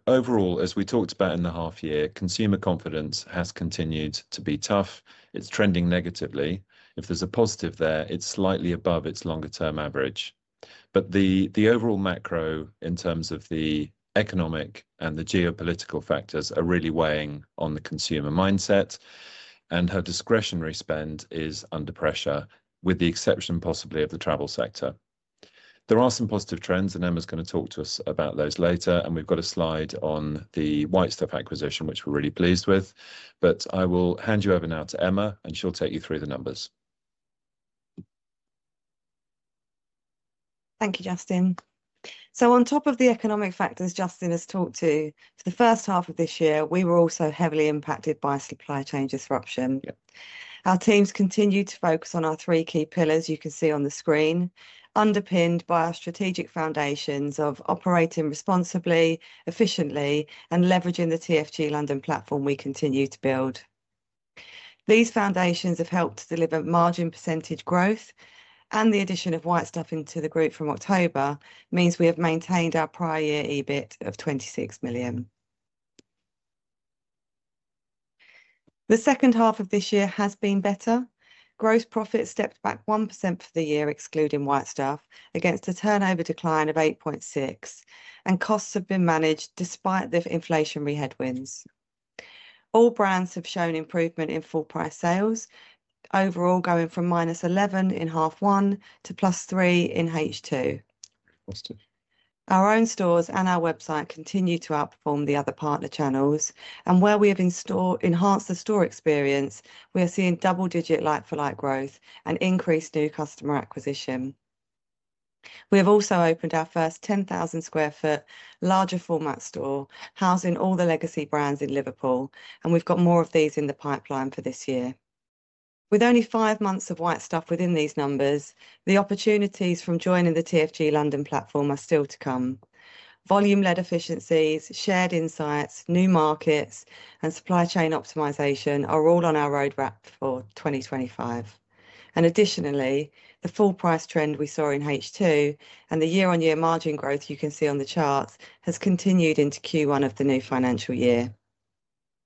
Overall, as we talked about in the half-year, consumer confidence has continued to be tough. It's trending negatively. If there's a positive there, it's slightly above its longer-term average. The overall macro, in terms of the economic and the geopolitical factors, are really weighing on the consumer mindset, and her discretionary spend is under pressure, with the exception possibly of the travel sector. There are some positive trends, and Emma's going to talk to us about those later, and we've got a slide on the White Stuff acquisition, which we're really pleased with. I will hand you over now to Emma, and she'll take you through the numbers. Thank you, Justin.On top of the economic factors Justin has talked to, for the first half of this year, we were also heavily impacted by supply chain disruption. Our teams continue to focus on our three key pillars you can see on the screen, underpinned by our strategic foundations of operating responsibly, efficiently, and leveraging the TFG London platform we continue to build. These foundations have helped to deliver margin percentage growth, and the addition of White Stuff into the group from October means we have maintained our prior year EBIT of 26 million. The second half of this year has been better. Gross profit stepped back 1% for the year, excluding White Stuff, against a turnover decline of 8.6%, and costs have been managed despite the inflationary headwinds. All brands have shown improvement in full-price sales, overall going from minus 11% in half one to plus 3% in H2. Our own stores and our website continue to outperform the other partner channels, and where we have enhanced the store experience, we are seeing double-digit like-for-like growth and increased new customer acquisition. We have also opened our first 10,000 sq ft larger format store, housing all the legacy brands in Liverpool, and we've got more of these in the pipeline for this year. With only five months of White Stuff within these numbers, the opportunities from joining the TFG London platform are still to come. Volume-led efficiencies, shared insights, new markets, and supply chain optimization are all on our roadmap for 2025. Additionally, the full-price trend we saw in H2 and the year-on-year margin growth you can see on the chart has continued into Q1 of the new financial year.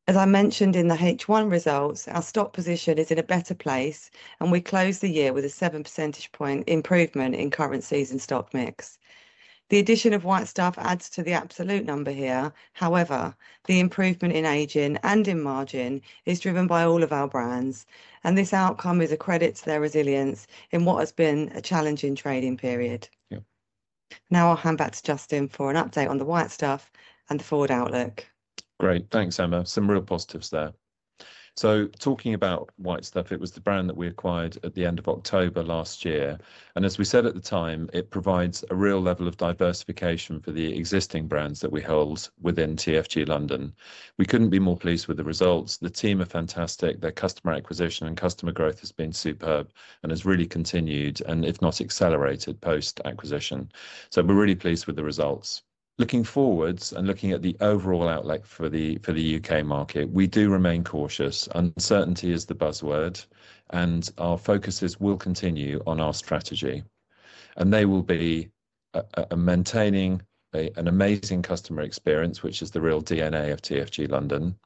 As I mentioned in the H1 results, our stock position is in a better place, and we closed the year with a 7 percentage point improvement in currencies and stock mix. The addition of White Stuff adds to the absolute number here; however, the improvement in aging and in margin is driven by all of our brands, and this outcome is a credit to their resilience in what has been a challenging trading period. Now I'll hand back to Justin for an update on the White Stuff and the forward outlook. Great, thanks, Emma. Some real positives there. Talking about White Stuff, it was the brand that we acquired at the end of October last year, and as we said at the time, it provides a real level of diversification for the existing brands that we hold within TFG London. We couldn't be more pleased with the results. The team are fantastic. Their customer acquisition and customer growth has been superb and has really continued, if not accelerated, post-acquisition. We are really pleased with the results. Looking forwards and looking at the overall outlook for the U.K. market, we do remain cautious. Uncertainty is the buzzword, and our focuses will continue on our strategy, and they will be maintaining an amazing customer experience, which is the real DNA of TFG London,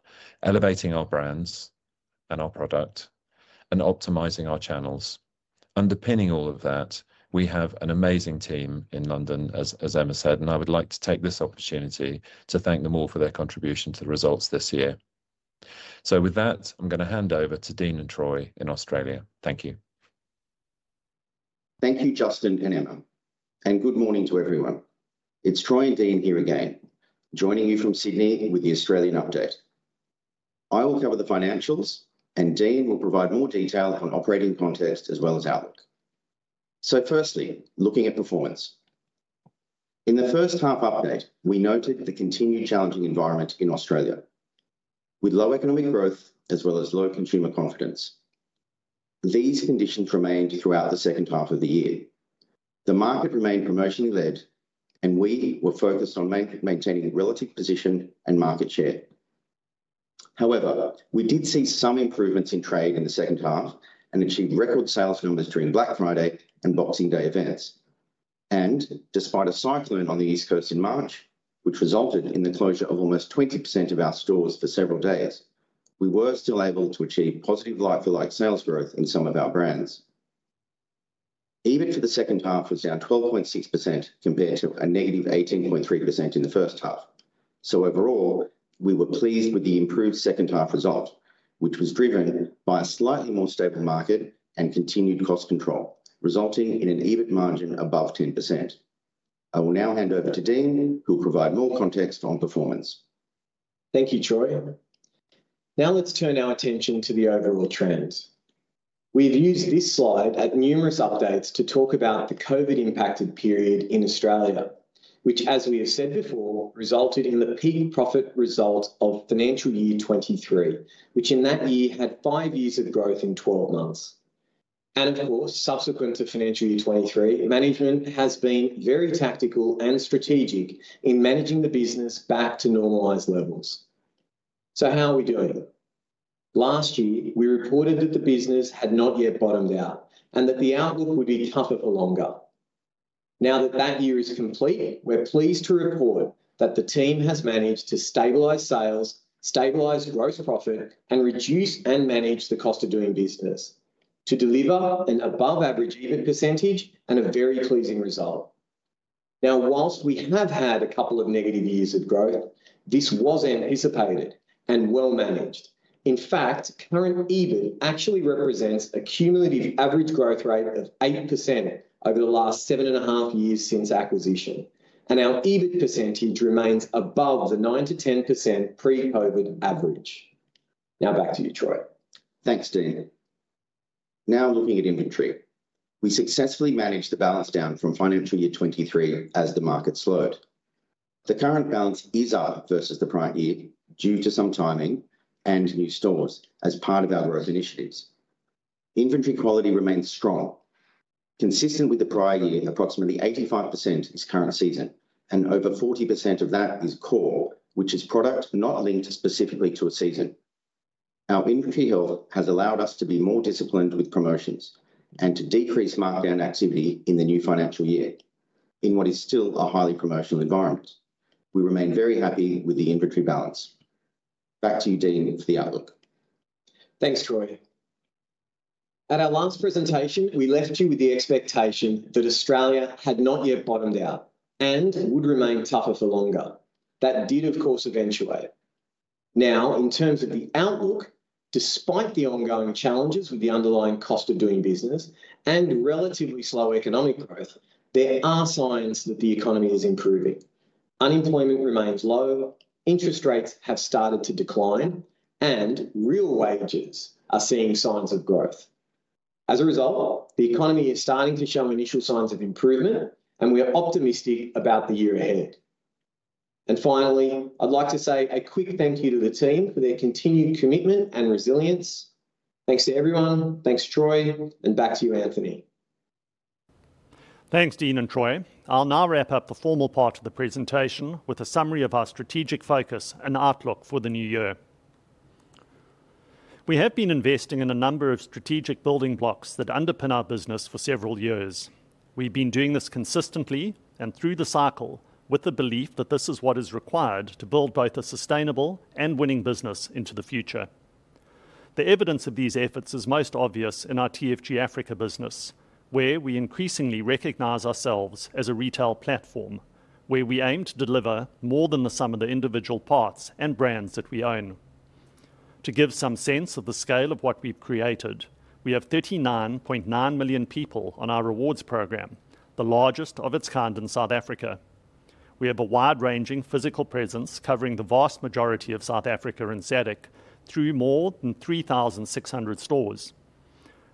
elevating our brands and our product, and optimizing our channels. Underpinning all of that, we have an amazing team in London, as Emma said, and I would like to take this opportunity to thank them all for their contribution to the results this year. With that, I am going to hand over to Dean and Troy in Australia. Thank you. Thank you, Justin and Emma, and good morning to everyone. It's Troy and Dean here again, joining you from Sydney with the Australian update. I will cover the financials, and Dean will provide more detail on operating context as well as outlook. Firstly, looking at performance. In the first half update, we noted the continued challenging environment in Australia, with low economic growth as well as low consumer confidence. These conditions remained throughout the second half of the year. The market remained promotionally led, and we were focused on maintaining a relative position and market share. However, we did see some improvements in trade in the second half and achieved record sales numbers during Black Friday and Boxing Day events. Despite a cyclone on the East Coast in March, which resulted in the closure of almost 20% of our stores for several days, we were still able to achieve positive like-for-like sales growth in some of our brands. EBIT for the second half was down 12.6% compared to a negative 18.3% in the first half. Overall, we were pleased with the improved second half result, which was driven by a slightly more stable market and continued cost control, resulting in an EBIT margin above 10%. I will now hand over to Dean, who will provide more context on performance. Thank you, Troy. Now let's turn our attention to the overall trends. We have used this slide at numerous updates to talk about the COVID-impacted period in Australia, which, as we have said before, resulted in the peak profit result of financial year 2023, which in that year had five years of growth in 12 months. Of course, subsequent to financial year 2023, management has been very tactical and strategic in managing the business back to normalized levels. How are we doing? Last year, we reported that the business had not yet bottomed out and that the outlook would be tougher for longer. Now that that year is complete, we're pleased to report that the team has managed to stabilize sales, stabilize gross profit, and reduce and manage the cost of doing business to deliver an above-average EBIT percentage and a very pleasing result. Now, whilst we have had a couple of negative years of growth, this was anticipated and well-managed. In fact, current EBIT actually represents a cumulative average growth rate of 8% over the last seven and a half years since acquisition, and our EBIT percentage remains above the 9-10% pre-COVID average. Now back to you, Troy. Thanks, Dean. Now looking at inventory, we successfully managed the balance down from financial year 2023 as the market slowed. The current balance is up versus the prior year due to some timing and new stores as part of our growth initiatives. Inventory quality remains strong, consistent with the prior year, approximately 85% is current season, and over 40% of that is core, which is product not linked specifically to a season. Our inventory health has allowed us to be more disciplined with promotions and to decrease markdown activity in the new financial year in what is still a highly promotional environment. We remain very happy with the inventory balance. Back to you, Dean, for the outlook. Thanks, Troy. At our last presentation, we left you with the expectation that Australia had not yet bottomed out and would remain tougher for longer. That did, of course, eventuate. Now, in terms of the outlook, despite the ongoing challenges with the underlying cost of doing business and relatively slow economic growth, there are signs that the economy is improving. Unemployment remains low, interest rates have started to decline, and real wages are seeing signs of growth. As a result, the economy is starting to show initial signs of improvement, and we are optimistic about the year ahead. Finally, I'd like to say a quick thank you to the team for their continued commitment and resilience. Thanks to everyone. Thanks, Troy, and back to you, Anthony. Thanks, Dean and Troy. I'll now wrap up the formal part of the presentation with a summary of our strategic focus and outlook for the new year. We have been investing in a number of strategic building blocks that underpin our business for several years. We've been doing this consistently and through the cycle with the belief that this is what is required to build both a sustainable and winning business into the future. The evidence of these efforts is most obvious in our TFG Africa business, where we increasingly recognize ourselves as a retail platform, where we aim to deliver more than the sum of the individual parts and brands that we own. To give some sense of the scale of what we've created, we have 39.9 million people on our rewards program, the largest of its kind in South Africa. We have a wide-ranging physical presence covering the vast majority of South Africa and Zambia through more than 3,600 stores.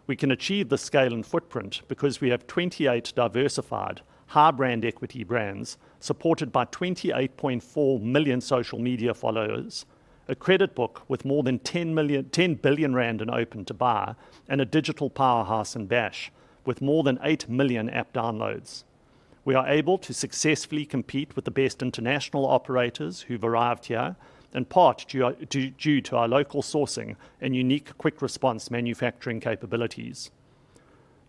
We can achieve this scale and footprint because we have 28 diversified, high-brand equity brands supported by 28.4 million social media followers, a credit book with more than 10 billion rand in open to buy, and a digital powerhouse in BASH with more than 8 million app downloads. We are able to successfully compete with the best international operators who've arrived here, in part due to our local sourcing and unique quick response manufacturing capabilities.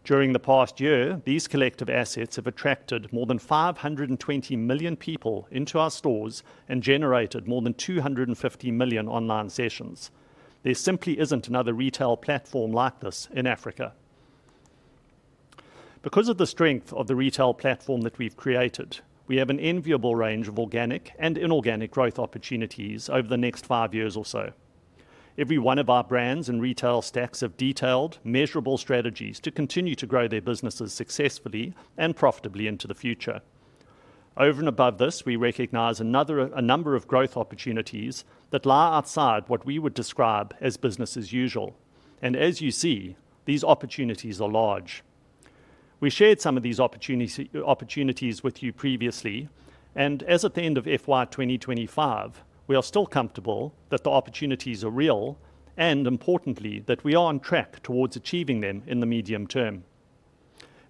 During the past year, these collective assets have attracted more than 520 million people into our stores and generated more than 250 million online sessions. There simply is not another retail platform like this in Africa. Because of the strength of the retail platform that we have created, we have an enviable range of organic and inorganic growth opportunities over the next five years or so. Every one of our brands and retail stacks have detailed, measurable strategies to continue to grow their businesses successfully and profitably into the future. Over and above this, we recognize a number of growth opportunities that lie outside what we would describe as business as usual. As you see, these opportunities are large. We shared some of these opportunities with you previously, and as at the end of FY 2025, we are still comfortable that the opportunities are real and, importantly, that we are on track towards achieving them in the medium term.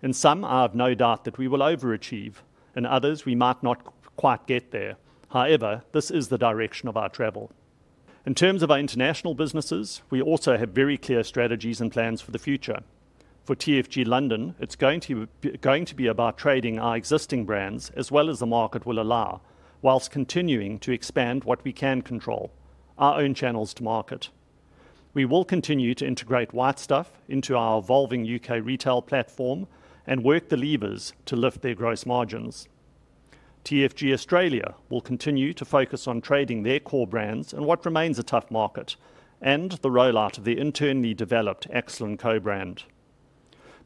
In some, I have no doubt that we will overachieve. In others, we might not quite get there. However, this is the direction of our travel. In terms of our international businesses, we also have very clear strategies and plans for the future. For TFG London, it's going to be about trading our existing brands as well as the market will allow, whilst continuing to expand what we can control, our own channels to market. We will continue to integrate White Stuff into our evolving U.K. retail platform and work the levers to lift their gross margins. TFG Australia will continue to focus on trading their core brands in what remains a tough market and the rollout of the internally developed Excellent co-brand.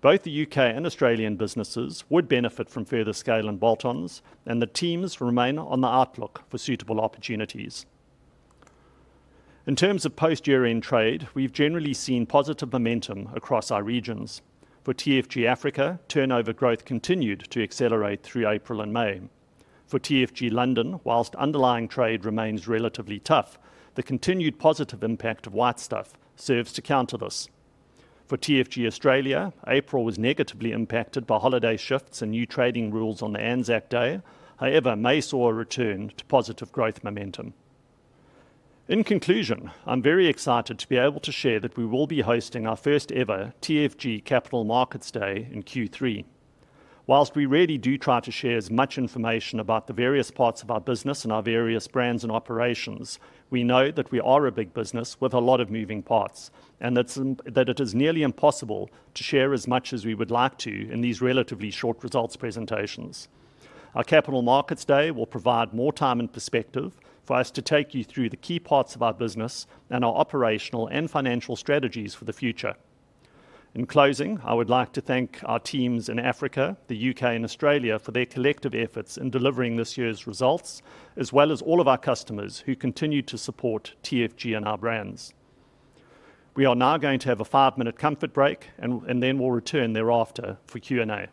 Both the U.K. and Australian businesses would benefit from further scale and bolt-ons, and the teams remain on the outlook for suitable opportunities. In terms of post-year-end trade, we've generally seen positive momentum across our regions. For TFG Africa, turnover growth continued to accelerate through April and May. For TFG London, whilst underlying trade remains relatively tough, the continued positive impact of White Stuff serves to counter this. For TFG Australia, April was negatively impacted by holiday shifts and new trading rules on the ANZAC Day. However, May saw a return to positive growth momentum. In conclusion, I'm very excited to be able to share that we will be hosting our first-ever TFG Capital Markets Day in Q3. Whilst we really do try to share as much information about the various parts of our business and our various brands and operations, we know that we are a big business with a lot of moving parts and that it is nearly impossible to share as much as we would like to in these relatively short results presentations. Our Capital Markets Day will provide more time and perspective for us to take you through the key parts of our business and our operational and financial strategies for the future. In closing, I would like to thank our teams in Africa, the U.K., and Australia for their collective efforts in delivering this year's results, as well as all of our customers who continue to support TFG and our brands. We are now going to have a five-minute comfort break, and then we'll return thereafter for Q&A.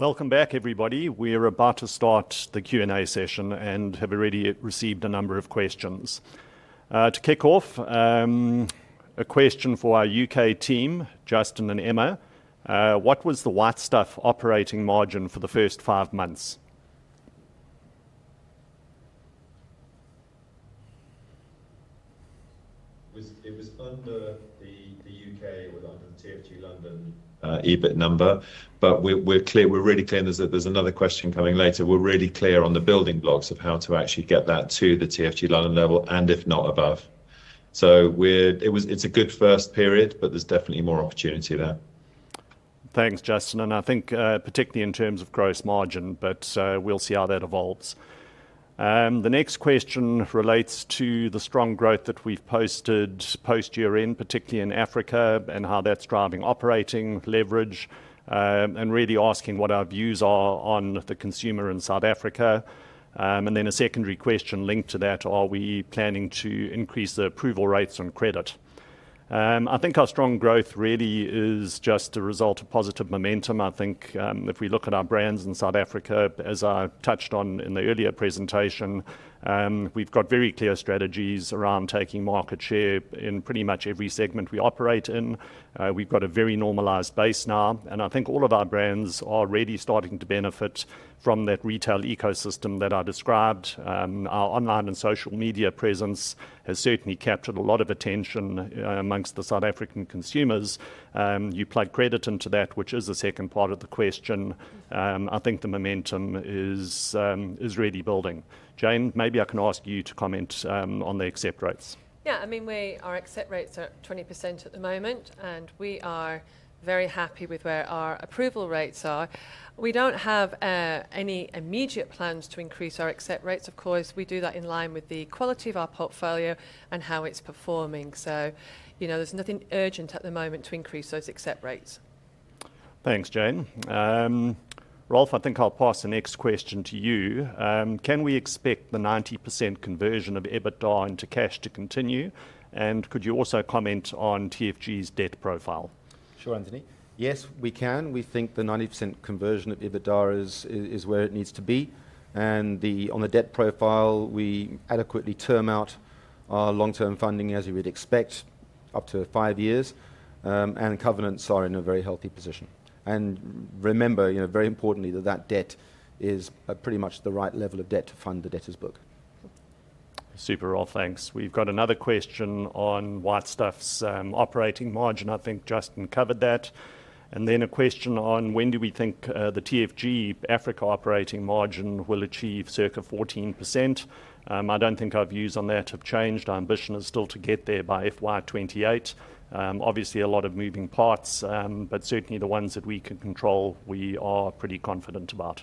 Welcome back, everybody. We're about to start the Q&A session and have already received a number of questions. To kick off, a question for our U.K. team, Justin and Emma. What was the White Stuff operating margin for the first five months? It was under the U.K., it was under the TFG London EBIT number, but we're really clear there's another question coming later. We're really clear on the building blocks of how to actually get that to the TFG London level and if not above. It is a good first period, but there is definitely more opportunity there. Thanks, Justin. I think particularly in terms of gross margin, but we will see how that evolves. The next question relates to the strong growth that we have posted post-year-end, particularly in Africa, and how that is driving operating leverage and really asking what our views are on the consumer in South Africa. A secondary question linked to that is, are we planning to increase the approval rates on credit? I think our strong growth really is just a result of positive momentum. I think if we look at our brands in South Africa, as I touched on in the earlier presentation, we have very clear strategies around taking market share in pretty much every segment we operate in. We've got a very normalized base now, and I think all of our brands are already starting to benefit from that retail ecosystem that I described. Our online and social media presence has certainly captured a lot of attention amongst the South African consumers. You plug credit into that, which is the second part of the question. I think the momentum is really building. Jane, maybe I can ask you to comment on the accept rates. Yeah, I mean, our accept rates are 20% at the moment, and we are very happy with where our approval rates are. We do not have any immediate plans to increase our accept rates. Of course, we do that in line with the quality of our portfolio and how it is performing. There is nothing urgent at the moment to increase those accept rates. Thanks, Jane. Ralph, I think I will pass the next question to you. Can we expect the 90% conversion of EBITDA into cash to continue? And could you also comment on TFG's debt profile? Sure, Anthony. Yes, we can. We think the 90% conversion of EBITDA is where it needs to be. On the debt profile, we adequately term out our long-term funding, as you would expect, up to five years, and covenants are in a very healthy position. Remember, very importantly, that that debt is pretty much the right level of debt to fund the debtor's book. Super, Ralph, thanks. We've got another question on White Stuff's operating margin. I think Justin covered that. Then a question on when do we think the TFG Africa operating margin will achieve circa 14%. I do not think our views on that have changed. Our ambition is still to get there by FY 2028. Obviously, a lot of moving parts, but certainly the ones that we can control, we are pretty confident about.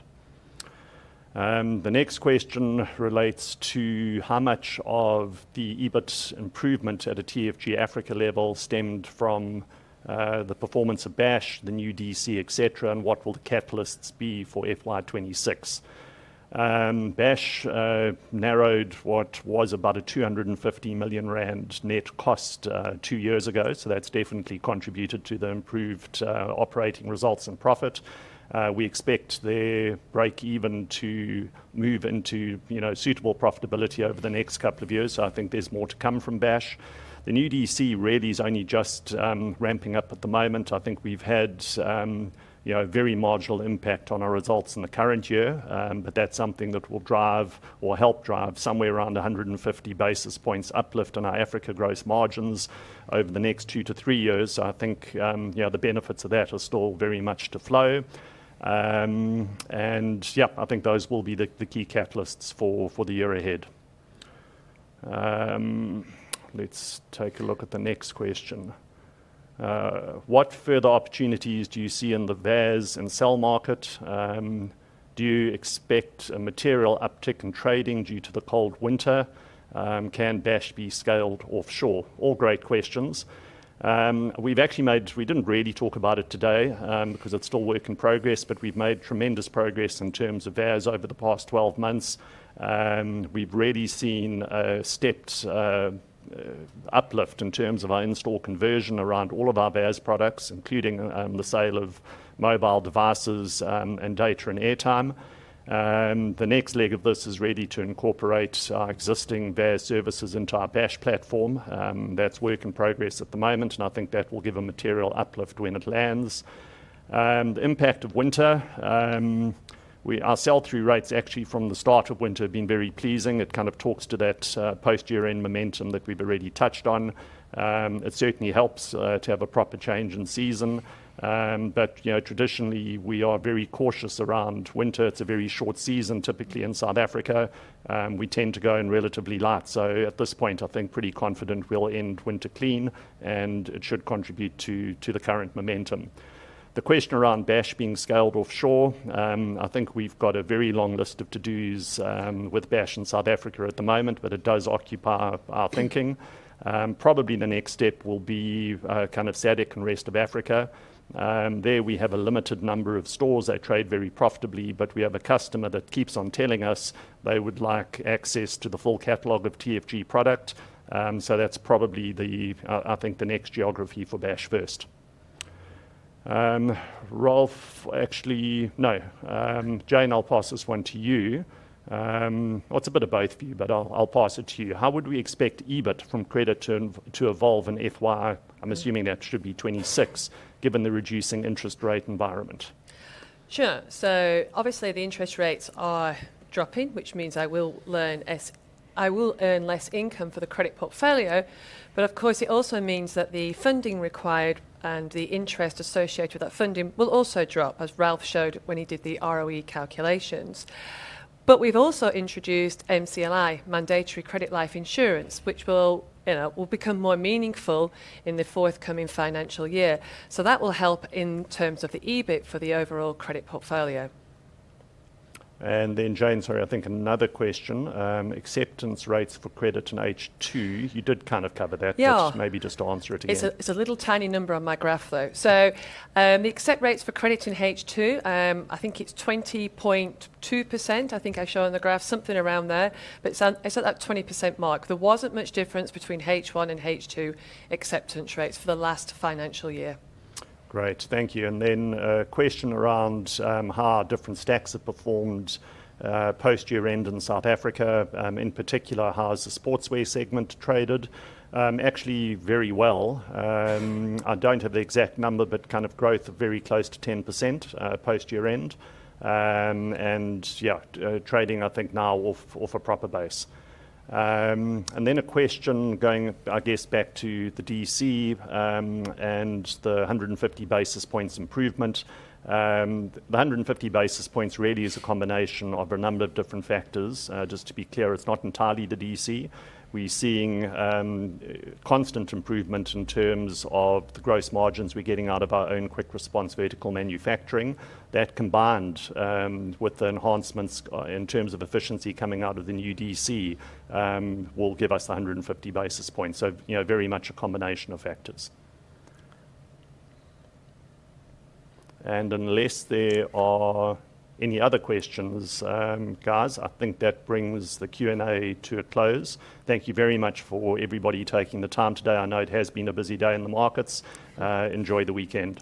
The next question relates to how much of the EBIT improvement at a TFG Africa level stemmed from the performance of BASH, the new DC, etc., and what will the catalysts be for FY 2026? BASH narrowed what was about a 250 million rand net cost two years ago, so that's definitely contributed to the improved operating results and profit. We expect the break even to move into suitable profitability over the next couple of years. I think there's more to come from BASH. The new DC really is only just ramping up at the moment. I think we've had a very marginal impact on our results in the current year, but that's something that will drive or help drive somewhere around 150 basis points uplift in our Africa gross margins over the next two to three years. I think the benefits of that are still very much to flow. Yeah, I think those will be the key catalysts for the year ahead. Let's take a look at the next question. What further opportunities do you see in the VAS and sell market? Do you expect a material uptick in trading due to the cold winter? Can BASH be scaled offshore? All great questions. We didn't really talk about it today because it's still work in progress, but we've made tremendous progress in terms of VAS over the past 12 months. We've really seen a stepped uplift in terms of our install conversion around all of our VAS products, including the sale of mobile devices and data and airtime. The next leg of this is ready to incorporate our existing VAS services into our BASH platform. That's work in progress at the moment, and I think that will give a material uplift when it lands. The impact of winter, our sell-through rates actually from the start of winter have been very pleasing. It kind of talks to that post-year-end momentum that we've already touched on. It certainly helps to have a proper change in season. Traditionally, we are very cautious around winter. It's a very short season, typically in South Africa. We tend to go in relatively light. At this point, I think pretty confident we'll end winter clean, and it should contribute to the current momentum. The question around BASH being scaled offshore, I think we've got a very long list of to-dos with BASH in South Africa at the moment, but it does occupy our thinking. Probably the next step will be kind of SADC and rest of Africa. There we have a limited number of stores that trade very profitably, but we have a customer that keeps on telling us they would like access to the full catalog of TFG product. So that's probably, I think, the next geography for BASH first. Ralph, actually, no, Jane, I'll pass this one to you. It's a bit of both of you, but I'll pass it to you. How would we expect EBIT from credit to evolve in FY? I'm assuming that should be 2026 given the reducing interest rate environment. Sure. Obviously, the interest rates are dropping, which means I will earn less income for the credit portfolio. Of course, it also means that the funding required and the interest associated with that funding will also drop, as Ralph showed when he did the ROE calculations. We have also introduced MCLI, mandatory credit life insurance, which will become more meaningful in the forthcoming financial year. That will help in terms of the EBIT for the overall credit portfolio. Jane, sorry, I think another question, acceptance rates for credit in H2. You did kind of cover that, but maybe just answer it again. Yeah. It is a little tiny number on my graph, though. The accept rates for credit in H2, I think it is 20.2%. I think I show on the graph something around there, but it is at that 20% mark. There was not much difference between H1 and H2 acceptance rates for the last financial year. Great. Thank you. A question around how different stacks have performed post-year-end in South Africa. In particular, how has the sportswear segment traded? Actually, very well. I do not have the exact number, but kind of growth of very close to 10% post-year-end. Yeah, trading, I think now off a proper base. A question going, I guess, back to the DC and the 150 basis points improvement. The 150 basis points really is a combination of a number of different factors. Just to be clear, it is not entirely the DC. We are seeing constant improvement in terms of the gross margins we are getting out of our own quick response vertical manufacturing. That combined with the enhancements in terms of efficiency coming out of the new DC will give us 150 basis points. Very much a combination of factors. Unless there are any other questions, guys, I think that brings the Q&A to a close. Thank you very much for everybody taking the time today. I know it has been a busy day in the markets. Enjoy the weekend.